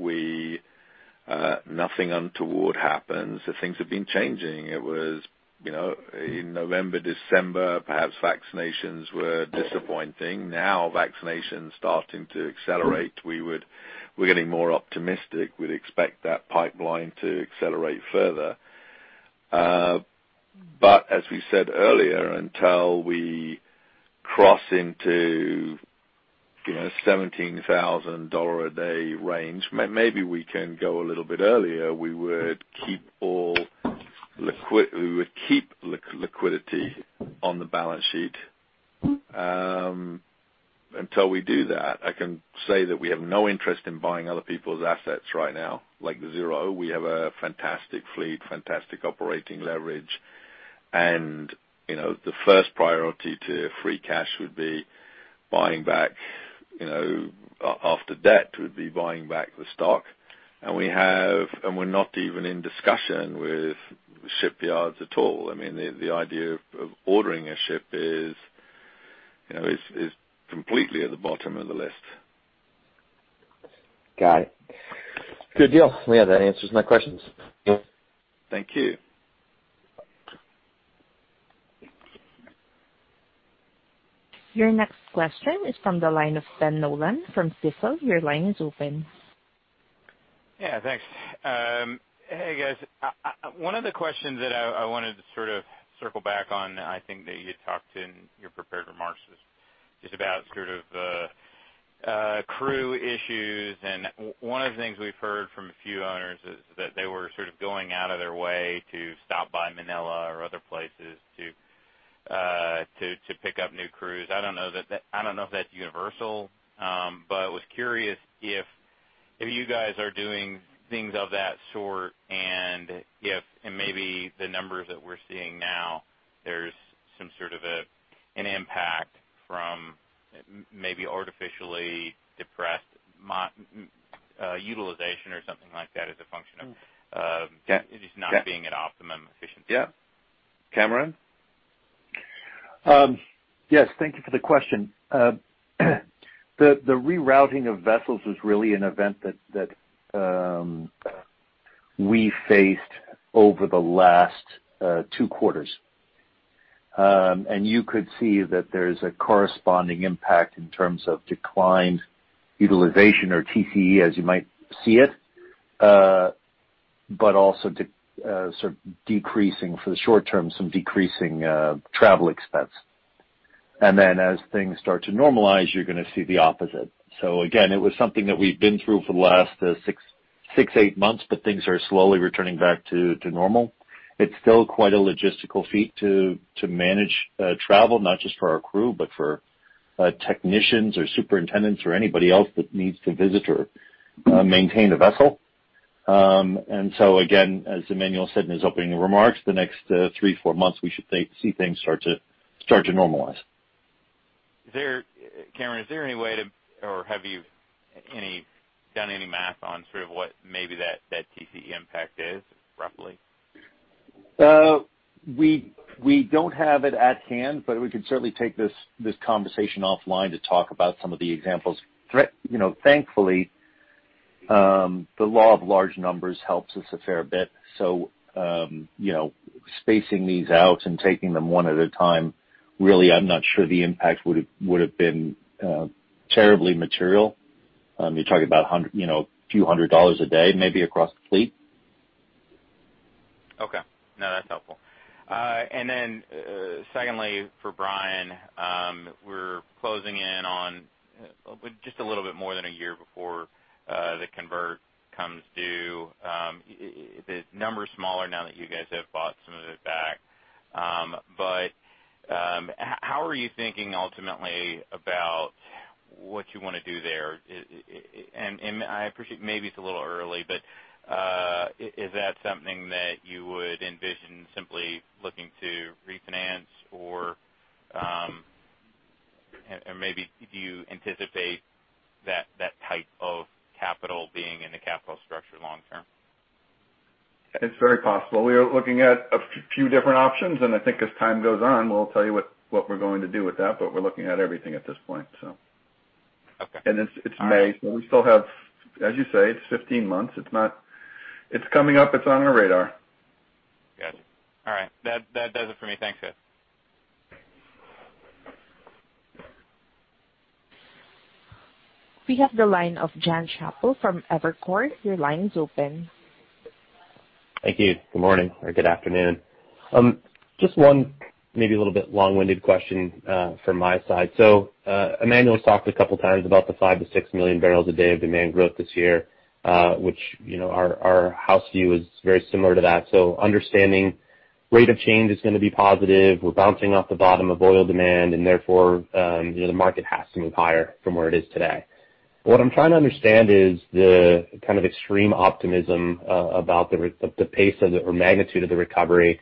nothing untoward happens. So things have been changing. It was in November, December, perhaps vaccinations were disappointing. Now vaccinations are starting to accelerate. We're getting more optimistic. We'd expect that pipeline to accelerate further. But as we said earlier, until we cross into $17,000 a day range, maybe we can go a little bit earlier. We would keep all liquidity on the balance sheet. Until we do that, I can say that we have no interest in buying other people's assets right now, like zero. We have a fantastic fleet, fantastic operating leverage. And the first priority to free cash would be buying back after debt would be buying back the stock. And we're not even in discussion with shipyards at all. I mean, the idea of ordering a ship is completely at the bottom of the list. Got it. Good deal. Yeah, that answers my questions. Thank you. Your next question is from the line of Ben Nolan from Stifel. Your line is open. Yeah, thanks. Hey, guys. One of the questions that I wanted to sort of circle back on, I think that you talked in your prepared remarks was just about sort of crew issues. And one of the things we've heard from a few owners is that they were sort of going out of their way to stop by Manila or other places to pick up new crews. I don't know if that's universal, but I was curious if you guys are doing things of that sort and if maybe the numbers that we're seeing now, there's some sort of an impact from maybe artificially depressed utilization or something like that as a function of just not being at optimum efficiency. Yeah. Cameron? Yes. Thank you for the question. The rerouting of vessels is really an event that we faced over the last two quarters, and you could see that there's a corresponding impact in terms of declined utilization or TCE, as you might see it, but also sort of decreasing for the short term, some decreasing travel expense. Then as things start to normalize, you're going to see the opposite. It was something that we've been through for the last six, eight months, but things are slowly returning back to normal. It's still quite a logistical feat to manage travel, not just for our crew, but for technicians or superintendents or anybody else that needs to visit or maintain a vessel, so again, as Emanuele said in his opening remarks, the next three, four months, we should see things start to normalize. Cameron, is there any way to or have you done any math on sort of what maybe that TCE impact is, roughly? We don't have it at hand, but we could certainly take this conversation offline to talk about some of the examples. Thankfully, the Law of Large Numbers helps us a fair bit. So spacing these out and taking them one at a time, really, I'm not sure the impact would have been terribly material. You're talking about a few hundred dollars a day, maybe across the fleet. Okay. No, that's helpful. And then secondly, for Brian, we're closing in on just a little bit more than a year before the convert comes due. The number is smaller now that you guys have bought some of it back. But how are you thinking ultimately about what you want to do there? And I appreciate maybe it's a little early, but is that something that you would envision simply looking to refinance, or maybe do you anticipate that type of capital being in the capital structure long term? It's very possible. We are looking at a few different options, and I think as time goes on, we'll tell you what we're going to do with that, but we're looking at everything at this point, so. Okay. and it's May, so we still have, as you say, it's 15 months. It's coming up. It's on our radar. Gotcha. All right. That does it for me. Thanks, guys. We have the line of Jon Chappell from Evercore. Your line is open. Thank you. Good morning or good afternoon. Just one maybe a little bit long-winded question from my side. So Emanuele has talked a couple of times about the 5-6 million barrels a day of demand growth this year, which our house view is very similar to that. So understanding rate of change is going to be positive. We're bouncing off the bottom of oil demand, and therefore the market has to move higher from where it is today. What I'm trying to understand is the kind of extreme optimism about the pace or magnitude of the recovery.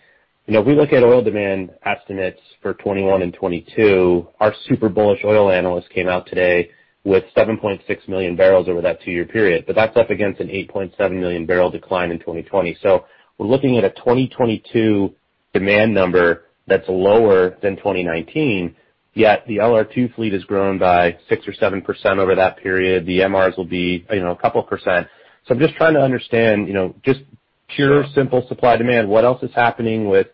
If we look at oil demand estimates for 2021 and 2022, our super bullish oil analysts came out today with 7.6 million barrels over that two-year period. But that's up against an 8.7 million barrel decline in 2020. So we're looking at a 2022 demand number that's lower than 2019, yet the LR2 fleet has grown by 6% or 7% over that period. The MRs will be a couple of percent. So I'm just trying to understand just pure simple supply demand. What else is happening with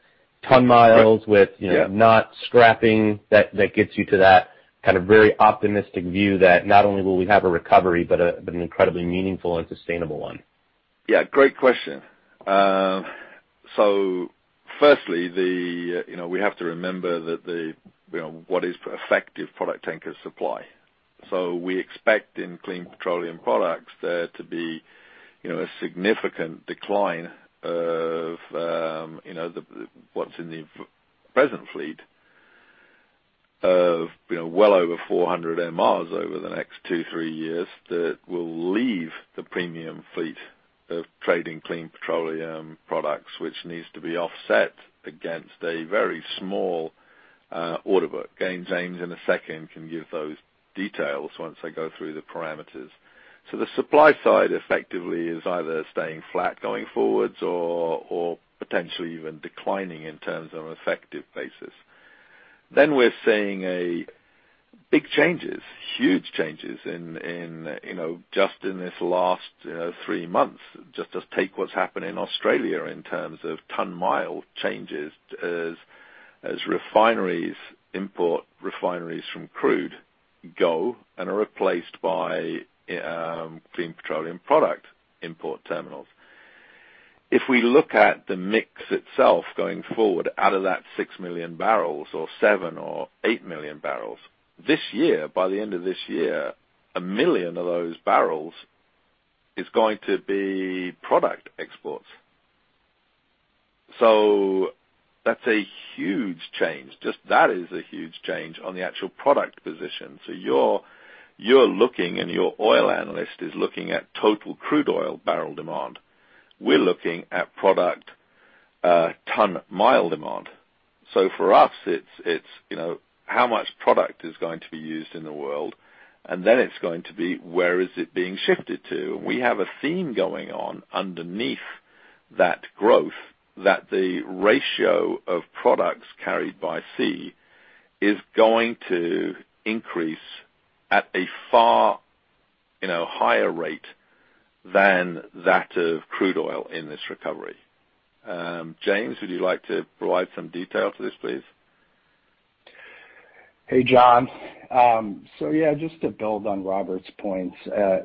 ton-miles, with not scrapping that gets you to that kind of very optimistic view that not only will we have a recovery, but an incredibly meaningful and sustainable one? Yeah. Great question. So firstly, we have to remember that what is effective product tankers supply. So we expect in clean petroleum products there to be a significant decline of what's in the present fleet of well over 400 MRs over the next two, three years that will leave the premium fleet of trading clean petroleum products, which needs to be offset against a very small order book. James in a second can give those details once I go through the parameters. So the supply side effectively is either staying flat going forward or potentially even declining in terms of an effective basis. Then we're seeing big changes, huge changes in just in this last three months. Just take what's happened in Australia in terms of ton-mile changes as refineries import refineries from crude go and are replaced by clean petroleum product import terminals. If we look at the mix itself going forward out of that 6 million barrels or 7 or 8 million barrels, this year, by the end of this year, a million of those barrels is going to be product exports. So that's a huge change. Just that is a huge change on the actual product position. So you're looking and your oil analyst is looking at total crude oil barrel demand. We're looking at product ton-mile demand. So for us, it's how much product is going to be used in the world, and then it's going to be where is it being shifted to, and we have a theme going on underneath that growth that the ratio of products carried by sea is going to increase at a far higher rate than that of crude oil in this recovery. James, would you like to provide some detail to this, please? Hey, John. So yeah, just to build on Robert's points,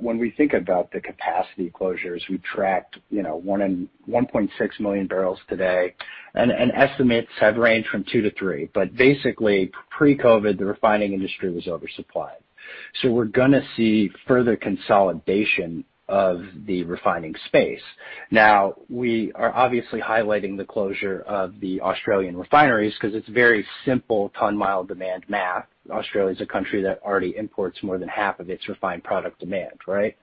when we think about the capacity closures, we've tracked 1.6 million barrels today, and estimates have ranged from 2 to 3. But basically, pre-COVID, the refining industry was oversupplied. So we're going to see further consolidation of the refining space. Now, we are obviously highlighting the closure of the Australian refineries because it's very simple ton-mile demand math. Australia is a country that already imports more than half of its refined product demand, right?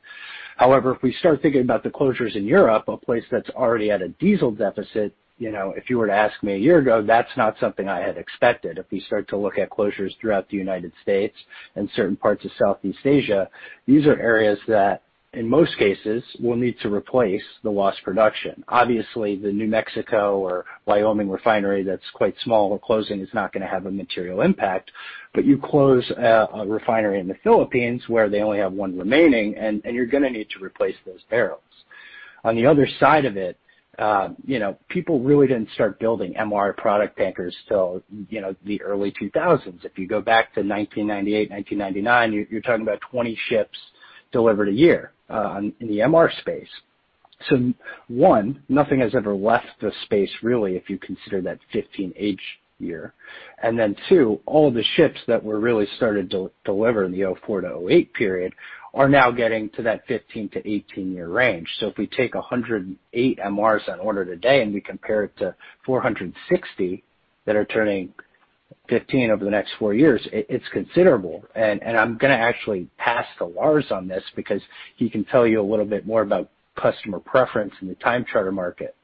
However, if we start thinking about the closures in Europe, a place that's already at a diesel deficit, if you were to ask me a year ago, that's not something I had expected. If we start to look at closures throughout the United States and certain parts of Southeast Asia, these are areas that in most cases will need to replace the lost production. Obviously, the New Mexico or Wyoming refinery that's quite small or closing is not going to have a material impact. But you close a refinery in the Philippines where they only have one remaining, and you're going to need to replace those barrels. On the other side of it, people really didn't start building MR product tankers till the early 2000s. If you go back to 1998, 1999, you're talking about 20 ships delivered a year in the MR space. So one, nothing has ever left the space really if you consider that 15-ish year. And then two, all of the ships that were really started to deliver in the 2004 to 2008 period are now getting to that 15 to 18-year range. So if we take 108 MRs that are ordered today and we compare it to 460 that are turning 15 over the next four years, it's considerable, and I'm going to actually pass to Lars on this because he can tell you a little bit more about customer preference in the time charter market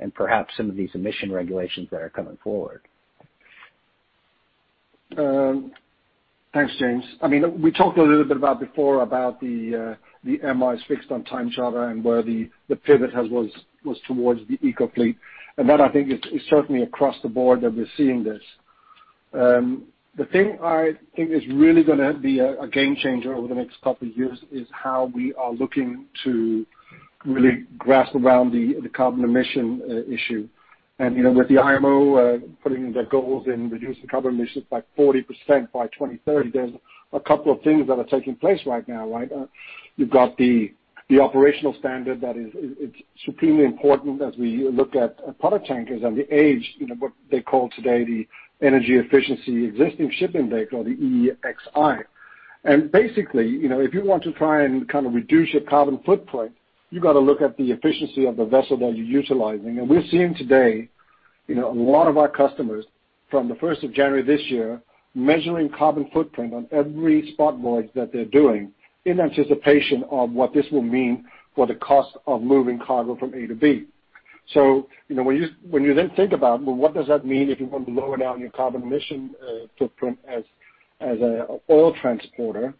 and perhaps some of these emission regulations that are coming forward. Thanks, James. I mean, we talked a little bit about before about the MRs fixed on time charter and where the pivot was towards the eco fleet. And that, I think, is certainly across the board that we're seeing this. The thing I think is really going to be a game changer over the next couple of years is how we are looking to really grasp around the carbon emission issue. And with the IMO putting their goals in reducing carbon emissions by 40% by 2030, there's a couple of things that are taking place right now, right? You've got the operational standard that is supremely important as we look at product tankers and the age, what they call today the Energy Efficiency Existing Ship Index or the EEXI. Basically, if you want to try and kind of reduce your carbon footprint, you've got to look at the efficiency of the vessel that you're utilizing. We're seeing today a lot of our customers from the 1st of January this year measuring carbon footprint on every spot voyage that they're doing in anticipation of what this will mean for the cost of moving cargo from A to B. When you then think about, well, what does that mean if you want to lower down your carbon emission footprint as an oil transporter?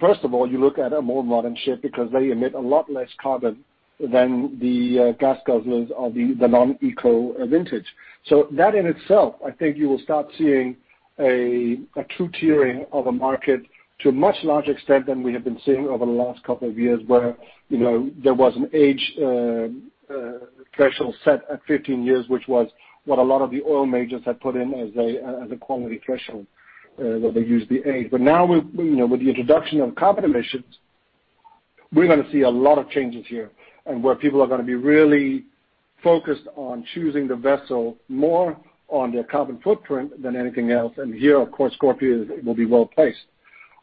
First of all, you look at a more modern ship because they emit a lot less carbon than the gas guzzlers of the non-eco vintage. That in itself, I think you will start seeing a true tiering of a market to a much larger extent than we have been seeing over the last couple of years where there was an age threshold set at 15 years, which was what a lot of the oil majors had put in as a quality threshold where they used the age. But now, with the introduction of carbon emissions, we're going to see a lot of changes here and where people are going to be really focused on choosing the vessel more on their carbon footprint than anything else. And here, of course, Scorpio will be well placed.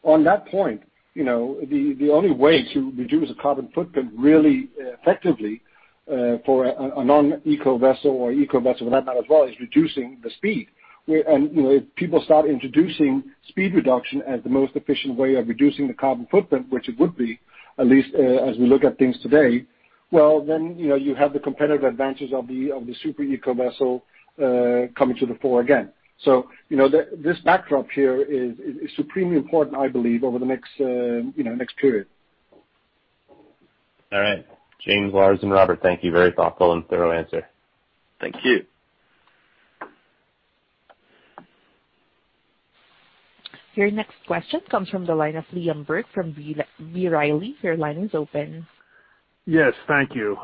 On that point, the only way to reduce a carbon footprint really effectively for a non-eco vessel or eco vessel for that matter as well is reducing the speed. If people start introducing speed reduction as the most efficient way of reducing the carbon footprint, which it would be, at least as we look at things today, well, then you have the competitive advantages of the super eco vessel coming to the fore again. This backdrop here is supremely important, I believe, over the next period. All right. James, Lars, and Robert, thank you. Very thoughtful and thorough answer. Thank you. Your next question comes from the line of Liam Burke from B. Riley. Your line is open. Yes, thank you.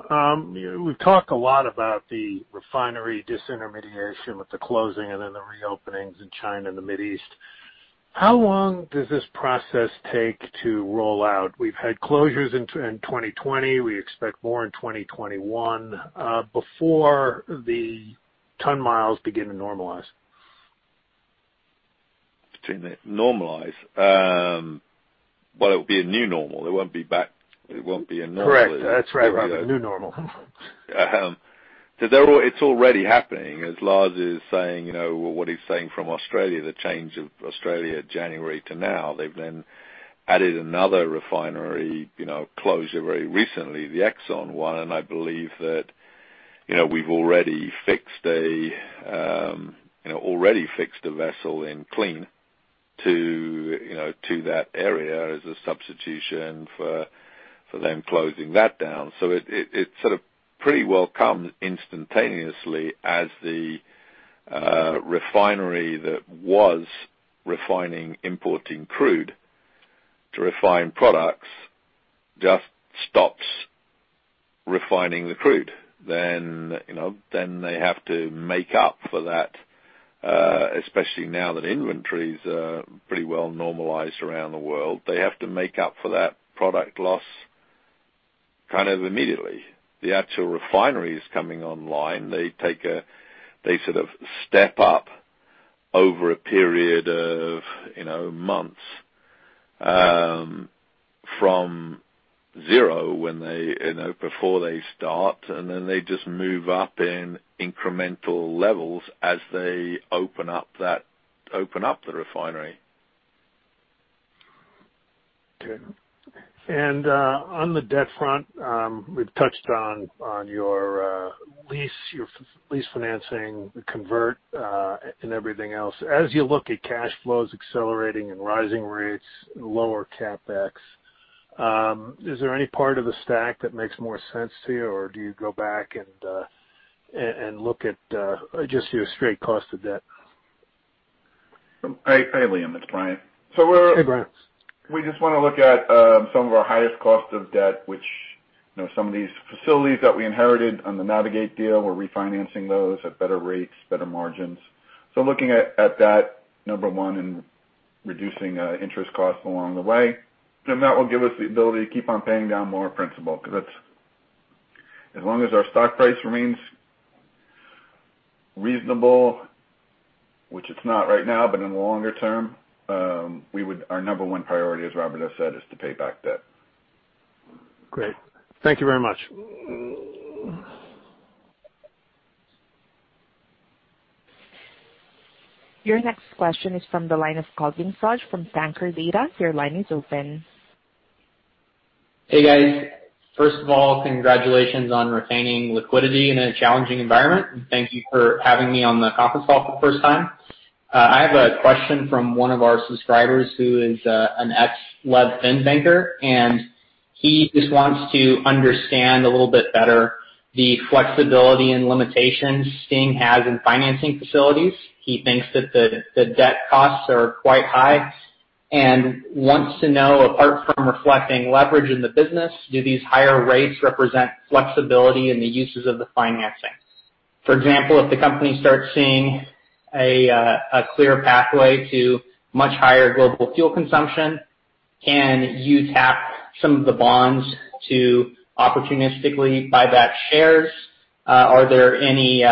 We've talked a lot about the refinery disintermediation with the closing and then the reopenings in China and the Middle East. How long does this process take to roll out? We've had closures in 2020. We expect more in 2021 before the ton miles begin to normalize. Normalize? Well, it will be a new normal. It won't be back. It won't be a normal. Correct. That's right. A new normal. So it's already happening, as Lars is saying, what he's saying from Australia, the change of Australia, January to now. They've then added another refinery closure very recently, the Exxon one, and I believe that we've already fixed a vessel in clean to that area as a substitution for them closing that down. So it sort of pretty well comes instantaneously as the refinery that was refining importing crude to refine products just stops refining the crude. Then they have to make up for that, especially now that inventories are pretty well normalized around the world. They have to make up for that product loss kind of immediately. The actual refinery is coming online. They sort of step up over a period of months from zero before they start, and then they just move up in incremental levels as they open up the refinery. Okay. On the debt front, we've touched on your lease, your lease financing, the convert, and everything else. As you look at cash flows accelerating and rising rates, lower CapEx, is there any part of the stack that makes more sense to you, or do you go back and look at just your straight cost of debt? Hey, Liam. It's Brian. Hey, Brian. We just want to look at some of our highest cost of debt, which some of these facilities that we inherited on the Navig8 deal, we're refinancing those at better rates, better margins. So looking at that, number one, and reducing interest costs along the way, that will give us the ability to keep on paying down more principal because that's as long as our stock price remains reasonable, which it's not right now, but in the longer term, our number one priority, as Robert has said, is to pay back debt. Great. Thank you very much. Your next question is from the line of Calvin from TankerData. Your line is open. Hey, guys. First of all, congratulations on retaining liquidity in a challenging environment. Thank you for having me on the conference call for the first time. I have a question from one of our subscribers who is an ex-LevFin banker, and he just wants to understand a little bit better the flexibility and limitations STNG has in financing facilities. He thinks that the debt costs are quite high and wants to know, apart from reflecting leverage in the business, do these higher rates represent flexibility in the uses of the financing? For example, if the company starts seeing a clear pathway to much higher global fuel consumption, can you tap some of the bonds to opportunistically buy back shares? Are there any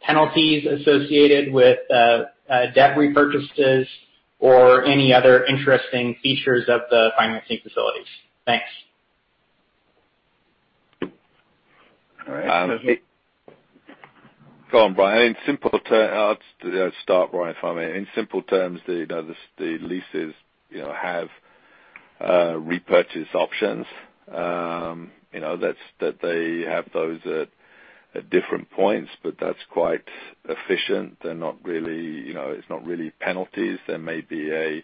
penalties associated with debt repurchases or any other interesting features of the financing facilities? Thanks. All right. Go on, Brian. I mean, simple start, Brian, if I may. In simple terms, the leases have repurchase options. That they have those at different points, but that's quite efficient. They're not really. It's not really penalties. There may be a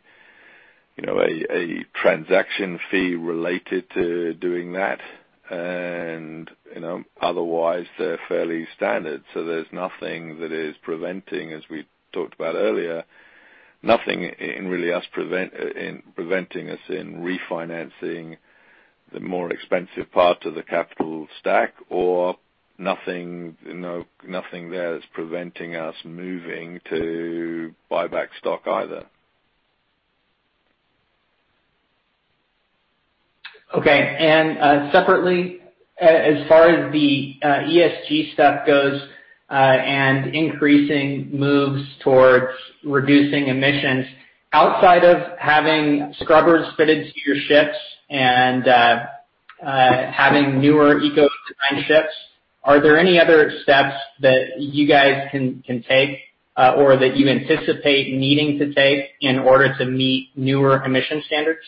transaction fee related to doing that. And otherwise, they're fairly standard. So there's nothing that is preventing, as we talked about earlier, nothing really preventing us in refinancing the more expensive part of the capital stack, or nothing there is preventing us moving to buy back stock either. Okay. And separately, as far as the ESG stuff goes and increasing moves towards reducing emissions, outside of having scrubbers fitted to your ships and having newer eco design ships, are there any other steps that you guys can take or that you anticipate needing to take in order to meet newer emission standards?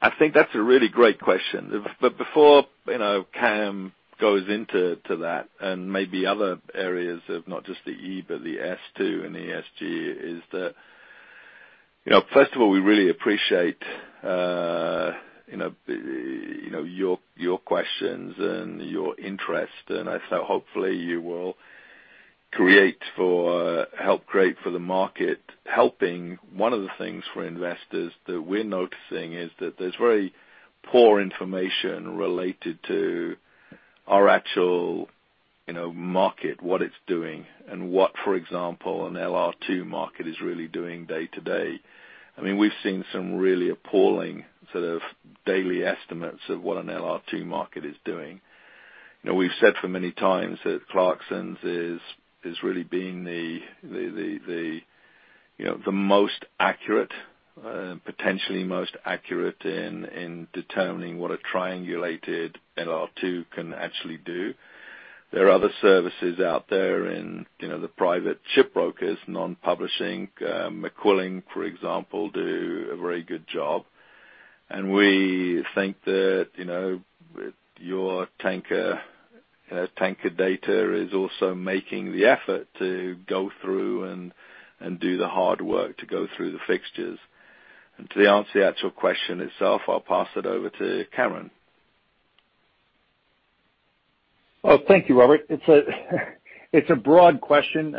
I think that's a really great question, but before Cam goes into that and maybe other areas of not just the E, but the S too and ESG, that is, first of all, we really appreciate your questions and your interest, and I thought hopefully you will create for help create for the market helping. One of the things for investors that we're noticing is that there's very poor information related to our actual market, what it's doing, and what, for example, an LR2 market is really doing day to day. I mean, we've seen some really appalling sort of daily estimates of what an LR2 market is doing. We've said for many times that Clarksons is really being the most accurate, potentially most accurate in determining what a triangulated LR2 can actually do. There are other services out there in the private ship brokers, non-publishing. McQuilling, for example, do a very good job, and we think that your TankerData is also making the effort to go through and do the hard work to go through the fixtures, and to answer the actual question itself, I'll pass it over to Cameron. Thank you, Robert. It's a broad question.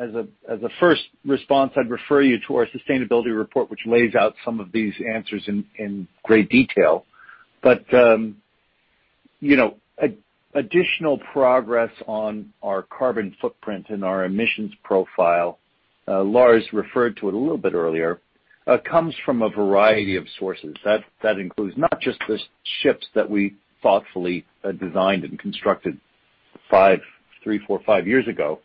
As a first response, I'd refer you to our sustainability report, which lays out some of these answers in great detail. But additional progress on our carbon footprint and our emissions profile, Lars referred to it a little bit earlier, comes from a variety of sources. That includes not just the ships that we thoughtfully designed and constructed three, four, five years ago,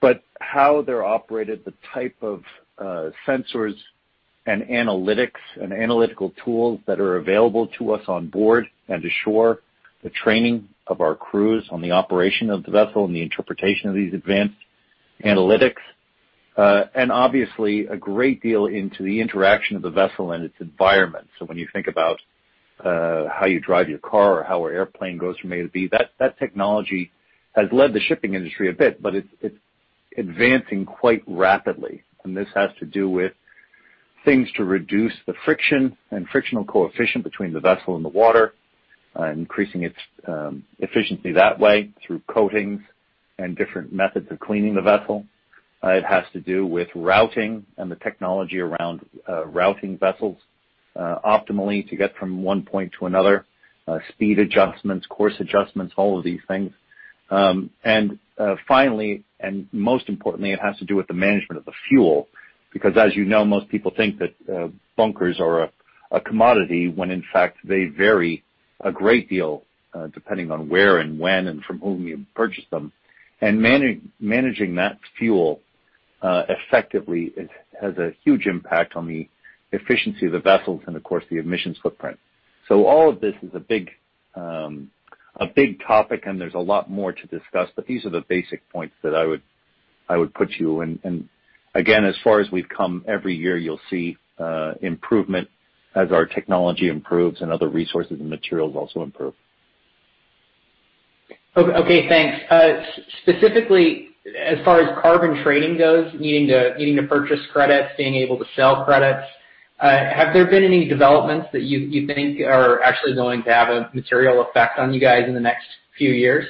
but how they're operated, the type of sensors and analytics and analytical tools that are available to us on board and to shore, the training of our crews on the operation of the vessel and the interpretation of these advanced analytics, and obviously a great deal into the interaction of the vessel and its environment. So when you think about how you drive your car or how our airplane goes from A to B, that technology has led the shipping industry a bit, but it's advancing quite rapidly. And this has to do with things to reduce the friction and frictional coefficient between the vessel and the water, increasing its efficiency that way through coatings and different methods of cleaning the vessel. It has to do with routing and the technology around routing vessels optimally to get from one point to another, speed adjustments, course adjustments, all of these things. And finally, and most importantly, it has to do with the management of the fuel because, as you know, most people think that bunkers are a commodity when, in fact, they vary a great deal depending on where and when and from whom you purchase them. And managing that fuel effectively has a huge impact on the efficiency of the vessels and, of course, the emissions footprint. So all of this is a big topic, and there's a lot more to discuss, but these are the basic points that I would put to you. And again, as far as we've come, every year you'll see improvement as our technology improves and other resources and materials also improve. Okay. Thanks. Specifically, as far as carbon trading goes, needing to purchase credits, being able to sell credits, have there been any developments that you think are actually going to have a material effect on you guys in the next few years?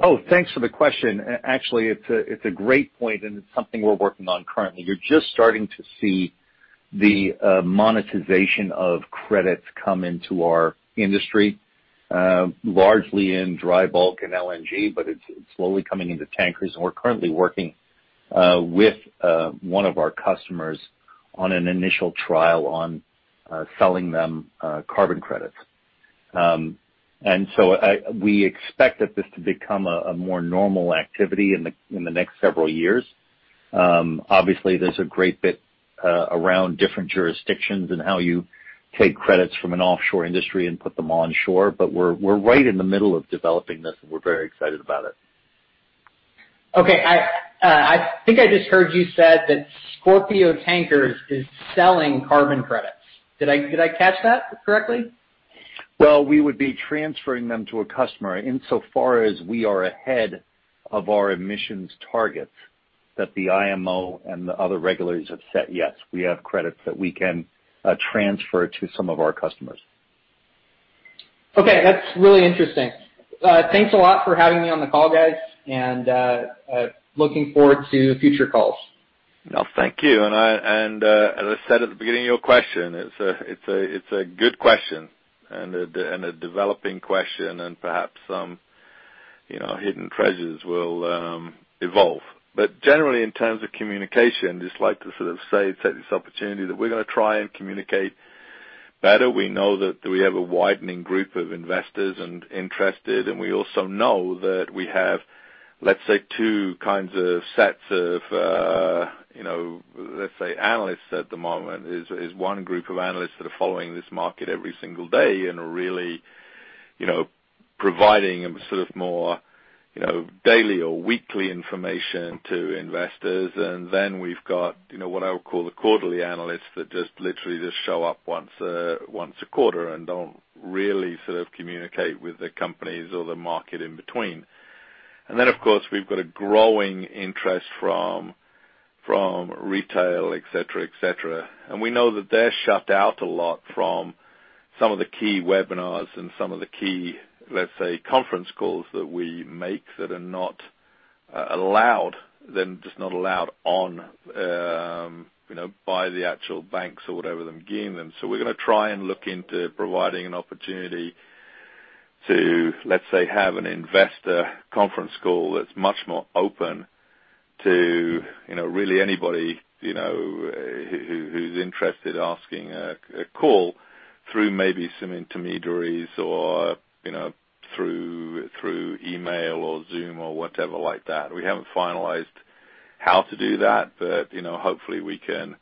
Oh, thanks for the question. Actually, it's a great point, and it's something we're working on currently. You're just starting to see the monetization of credits come into our industry, largely in dry bulk and LNG, but it's slowly coming into tankers. And we're currently working with one of our customers on an initial trial on selling them carbon credits. And so we expect that this to become a more normal activity in the next several years. Obviously, there's a great bit around different jurisdictions and how you take credits from an offshore industry and put them on shore, but we're right in the middle of developing this, and we're very excited about it. Okay. I think I just heard you said that Scorpio Tankers is selling carbon credits. Did I catch that correctly? We would be transferring them to a customer insofar as we are ahead of our emissions targets that the IMO and the other regulators have set. Yes, we have credits that we can transfer to some of our customers. Okay. That's really interesting. Thanks a lot for having me on the call, guys, and looking forward to future calls. No, thank you. And as I said at the beginning of your question, it's a good question and a developing question, and perhaps some hidden treasures will evolve. But generally, in terms of communication, just like to sort of say, it's at this opportunity that we're going to try and communicate better. We know that we have a widening group of investors and interested, and we also know that we have, let's say, two kinds of sets of, let's say, analysts at the moment. There's one group of analysts that are following this market every single day and are really providing sort of more daily or weekly information to investors. And then we've got what I would call the quarterly analysts that just literally show up once a quarter and don't really sort of communicate with the companies or the market in between. And then, of course, we've got a growing interest from retail, etc., etc. And we know that they're shut out a lot from some of the key webinars and some of the key, let's say, conference calls that we make that are not allowed, then just not allowed in by the actual banks or whatever the main thing. So we're going to try and look into providing an opportunity to, let's say, have an investor conference call that's much more open to really anybody who's interested asking on a call through maybe some intermediaries or through email or Zoom or whatever like that. We haven't finalized how to do that, but hopefully we can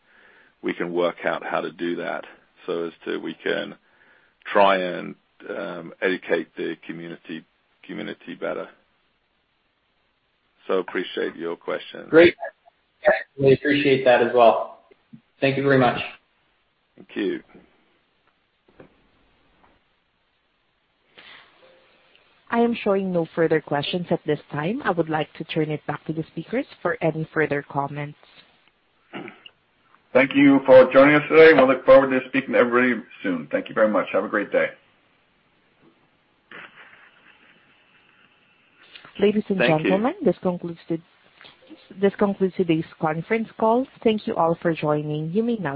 work out how to do that so that we can try and educate the community better. So appreciate your question. Great. We appreciate that as well. Thank you very much. Thank you. I am showing no further questions at this time. I would like to turn it back to the speakers for any further comments. Thank you for joining us today. We'll look forward to speaking to everybody soon. Thank you very much. Have a great day. Thank you. Ladies and gentlemen, this concludes today's conference call. Thank you all for joining. You may now.